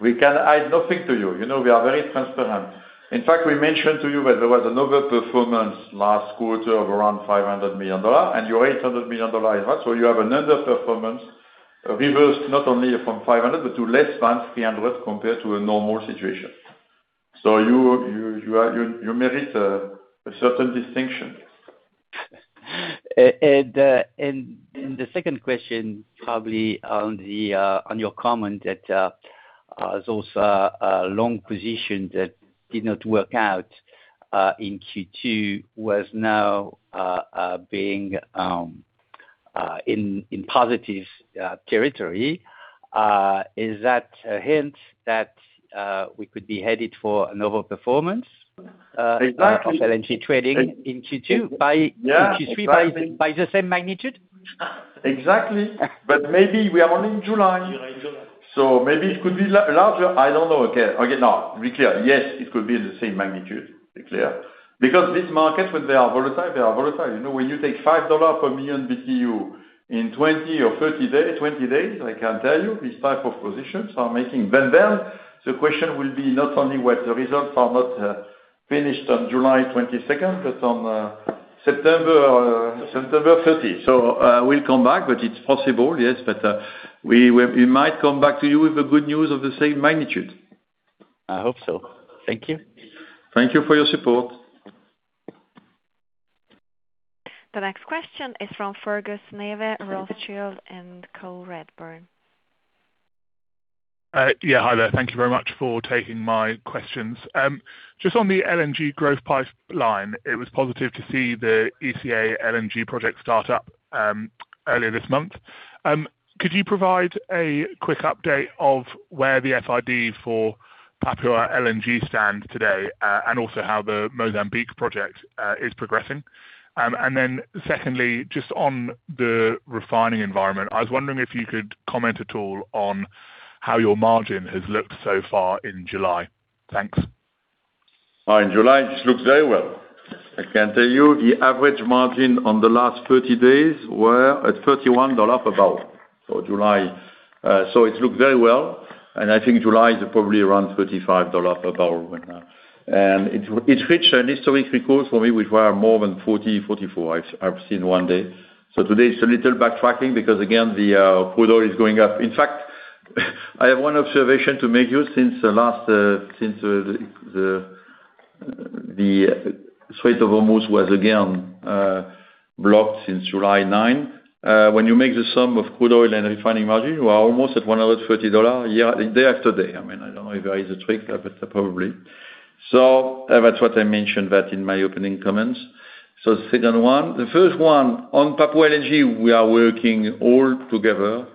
We can add nothing to you. We are very transparent. We mentioned to you that there was underperformance last quarter of around $500 million, and your $800 million. You have underperformance, reversed not only from $500 million, but to less than $300 million compared to a normal situation. You merit a certain distinction. The second question, probably on your comment that those long position that did not work out in Q2 was now being in positive territory. Is that a hint that we could be headed for underperformance- Exactly of LNG trading in Q2? Yeah. Exactly. In Q3, by the same magnitude? Exactly. Maybe we are only in July. We are in July. Maybe it could be larger, I don't know. Now, be clear. Yes, it could be the same magnitude. Be clear. These markets, when they are volatile, they are volatile. When you take $5 per MMBtu in 20 or 30 days, 20 days, I can tell you, these type of positions are making. [inaudible] The question will be not only what the results are not finished on July 22nd, but on September 30. We'll come back, but it's possible, yes. We might come back to you with the good news of the same magnitude. I hope so. Thank you. Thank you for your support. The next question is from Fergus Neve, Rothschild & Co Redburn. Yeah. Hi there. Thank you very much for taking my questions. Just on the LNG growth pipeline, it was positive to see the ECA LNG project start up earlier this month. Could you provide a quick update of where the FID for Papua LNG stands today, and also how the Mozambique project is progressing? Secondly, just on the refining environment, I was wondering if you could comment at all on how your margin has looked so far in July. Thanks. In July, it looks very well. I can tell you, the average margin on the last 30 days were at $31 per barrel. It looked very well, I think July is probably around $35 per barrel. It reached an historic record for me, which were more than $40 per barrel-$44 per barrel I've seen one day. Today it's a little backtracking because, again, the crude oil is going up. In fact, I have one observation to make here since the Strait of Hormuz was again blocked since July 9. When you make the sum of crude oil and refining margin, we are almost at $130 per barrel day-after-day. I don't know if there is a trick, but probably. That's what I mentioned that in my opening comments. The second one, the first one on Papua LNG, we are working all together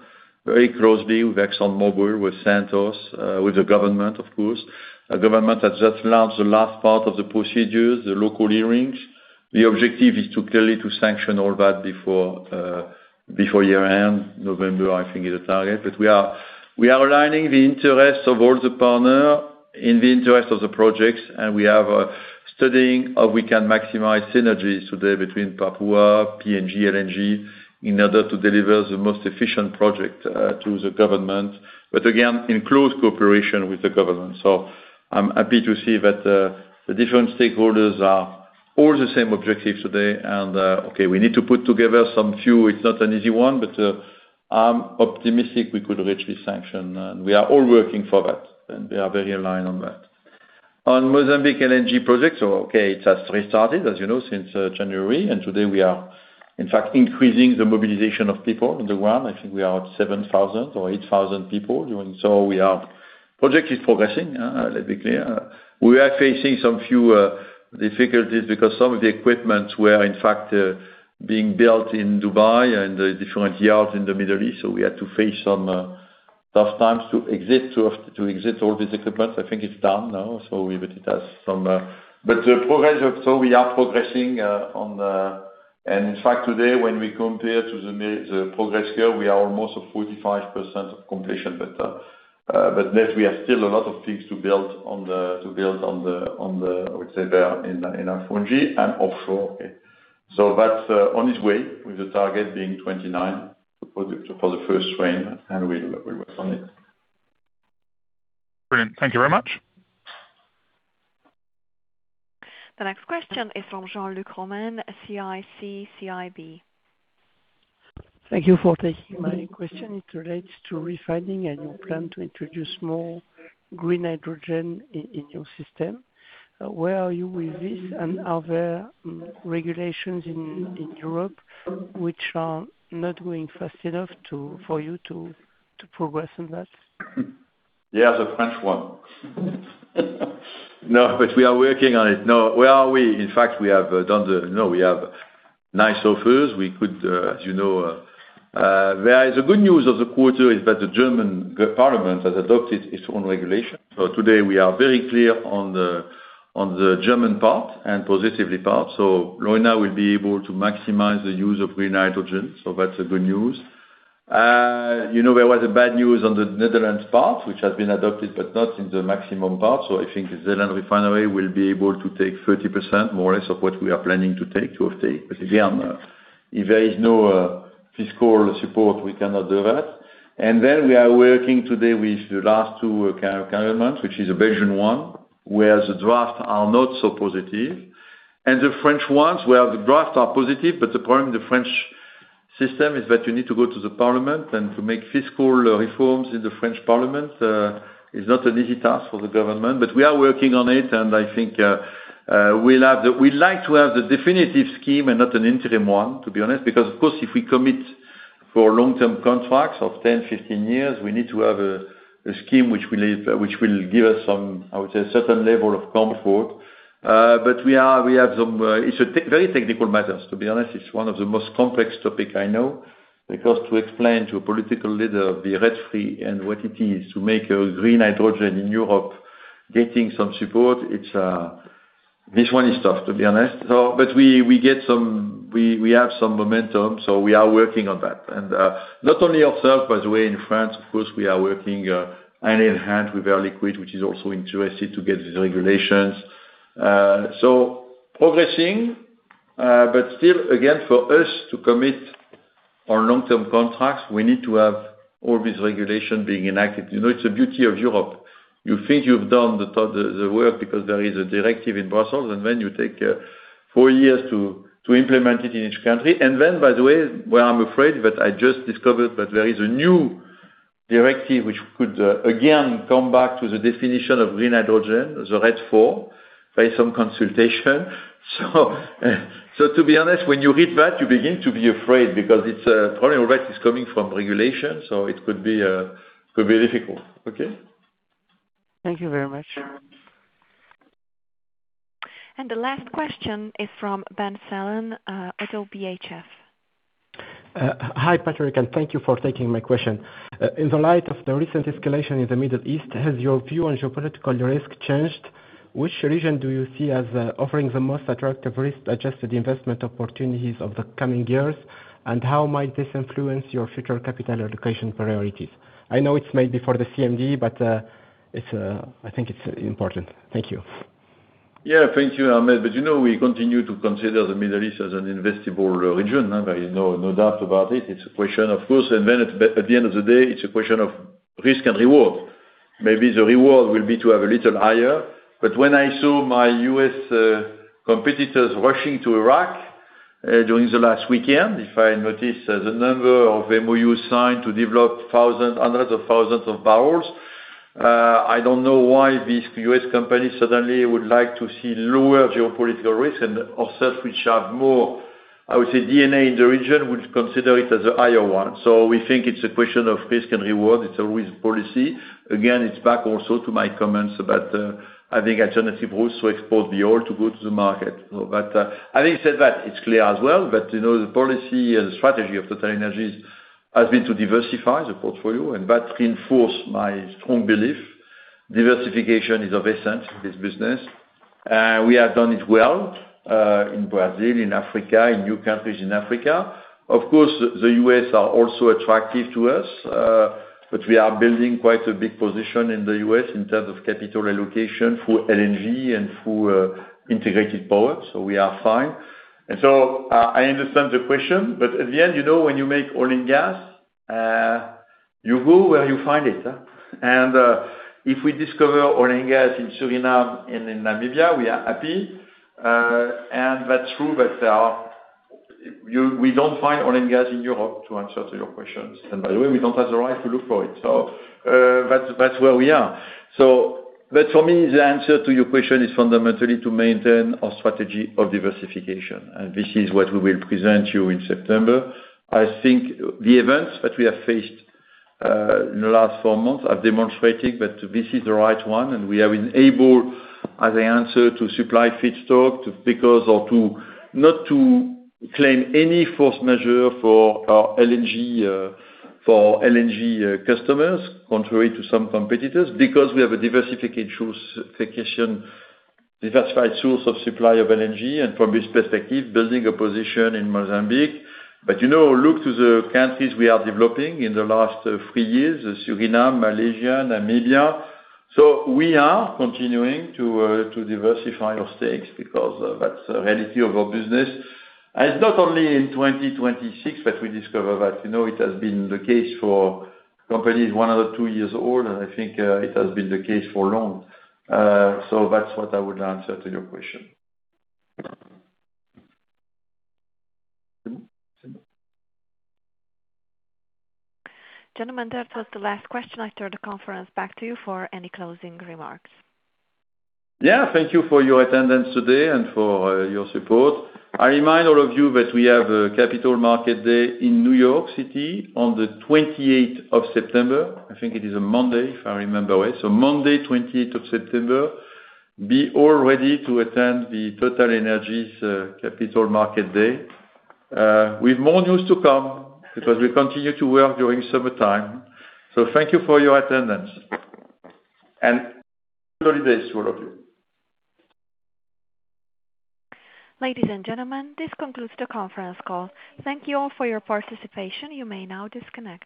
very closely with ExxonMobil, with Santos, with the government, of course. The government has just launched the last part of the procedures, the local hearings. The objective is to clearly to sanction all that before year-end. November, I think, is the target. We are aligning the interest of all the partner in the interest of the projects, we are studying how we can maximize synergies today between Papua PNG, LNG, in order to deliver the most efficient project to the government. Again, in close cooperation with the government. I'm happy to see that the different stakeholders have all the same objectives today and, okay, we need to put together some few. It's not an easy one, but I'm optimistic we could reach this sanction. We are all working for that, and we are very aligned on that. On Mozambique LNG project. Okay, it has restarted, as you know, since January, and today we are, in fact, increasing the mobilization of people on the ground. I think we are at 7,000 or 8,000 people. Project is progressing. Let's be clear. We are facing some few difficulties because some of the equipment were, in fact, being built in Dubai and the different yards in the Middle East. We had to face some tough times to exit all this equipment. I think it's done now. The progress, we are progressing. And in fact, today, when we compare to the progress here, we are almost at 45% of completion. Net, we have still a lot of things to build on the, I would say, there in Afungi and offshore. That's on its way, with the target being 2029 for the first train, and we work on it. Brilliant. Thank you very much. The next question is from Jean-Luc Romain, CIC-CIB. Thank you for taking my question. It relates to refining and your plan to introduce more green hydrogen in your system. Where are you with this, and are there regulations in Europe which are not going fast enough for you to progress on that? Yes, the French one. No, we are working on it. No, where are we? In fact, we have nice offers. The good news of the quarter is that the German parliament has adopted its own regulation. Today we are very clear on the German part and positively part. Leuna will be able to maximize the use of green hydrogen. That's the good news. There was a bad news on the Netherlands part, which has been adopted, but not in the maximum part. I think Zeeland Refinery will be able to take 30%, more or less, of what we are planning to take. Again, if there is no fiscal support, we cannot do that. Then we are working today with the last two governments, which is a Belgian one, where the draft are not so positive, and the French ones, where the drafts are positive. The problem with the French system is that you need to go to the parliament and to make fiscal reforms in the French parliament is not an easy task for the government. We are working on it, and I think we'd like to have the definitive scheme and not an interim one, to be honest. Of course, if we commit for long-term contracts of 10-15 years, we need to have a scheme which will give us some, I would say, certain level of comfort. It's a very technical matters, to be honest. It's one of the most complex topic I know. To explain to a political leader the RED III and what it is to make a green hydrogen in Europe, getting some support, this one is tough, to be honest. We have some momentum, we are working on that. Not only ourselves, by the way, in France, of course, we are working hand in hand with Air Liquide, which is also interested to get these regulations. Progressing, but still, again, for us to commit on long-term contracts, we need to have all these regulation being enacted. It's the beauty of Europe. You think you've done the work because there is a directive in Brussels, then you take four years to implement it in each country. By the way, where I'm afraid that I just discovered that there is a new directive which could, again, come back to the definition of green hydrogen, the RED IV, by some consultation. To be honest, when you read that, you begin to be afraid because it's a problem already is coming from regulation, so it could be difficult. Okay? Thank you very much. The last question is from Ben Fallon, ODDO BHF. Hi, Patrick, and thank you for taking my question. In the light of the recent escalation in the Middle East, has your view on geopolitical risk changed? Which region do you see as offering the most attractive risk-adjusted investment opportunities of the coming years, and how might this influence your future capital allocation priorities? I know it's maybe for the CMD, but I think it's important. Thank you. Yeah, thank you, Ben. We continue to consider the Middle East as an investable region. There is no doubt about it. It's a question, of course, at the end of the day, it's a question of risk and reward. Maybe the reward will be to have a little higher. When I saw my U.S. competitors rushing to Iraq during the last weekend, if I notice the number of MOU signed to develop hundreds of thousands of barrels, I don't know why these U.S. companies suddenly would like to see lower geopolitical risk and ourselves, which have more, I would say, DNA in the region, would consider it as a higher one. We think it's a question of risk and reward. It's always policy. Again, it's back also to my comments about having alternative routes to export the oil to go to the market. Having said that, it's clear as well that the policy and strategy of TotalEnergies has been to diversify the portfolio, and that reinforce my strong belief diversification is of essence in this business. We have done it well, in Brazil, in Africa, in new countries in Africa. Of course, the U.S. are also attractive to us, but we are building quite a big position in the U.S. in terms of capital allocation for LNG and for integrated power, so we are fine. I understand the question, but at the end, when you make oil and gas, you go where you find it. If we discover oil and gas in Suriname and in Namibia, we are happy. That's true that we don't find oil and gas in Europe to answer to your questions. By the way, we don't have the right to look for it. That's where we are. For me, the answer to your question is fundamentally to maintain our strategy of diversification. This is what we will present you in September. I think the events that we have faced in the last four months have demonstrated that this is the right one, and we have been able, as I answer, to supply feedstock to pickers or not to claim any force majeure for our LNG customers, contrary to some competitors, because we have a diversified source of supply of LNG and from this perspective, building a position in Mozambique. Look to the countries we are developing in the last three years, Suriname, Malaysia, Namibia. We are continuing to diversify our stakes because that's the reality of our business. It's not only in 2026 that we discover that. It has been the case for companies 102 years old, I think it has been the case for long. That's what I would answer to your question. Gentlemen, that was the last question. I turn the conference back to you for any closing remarks. Yeah. Thank you for your attendance today and for your support. I remind all of you that we have a Capital Market Day in New York City on the 28th of September. I think it is a Monday, if I remember right. Monday 28th of September, be all ready to attend the TotalEnergies Capital Market Day. With more news to come because we continue to work during summertime. Thank you for your attendance and happy holidays to all of you. Ladies and gentlemen, this concludes the conference call. Thank you all for your participation. You may now disconnect.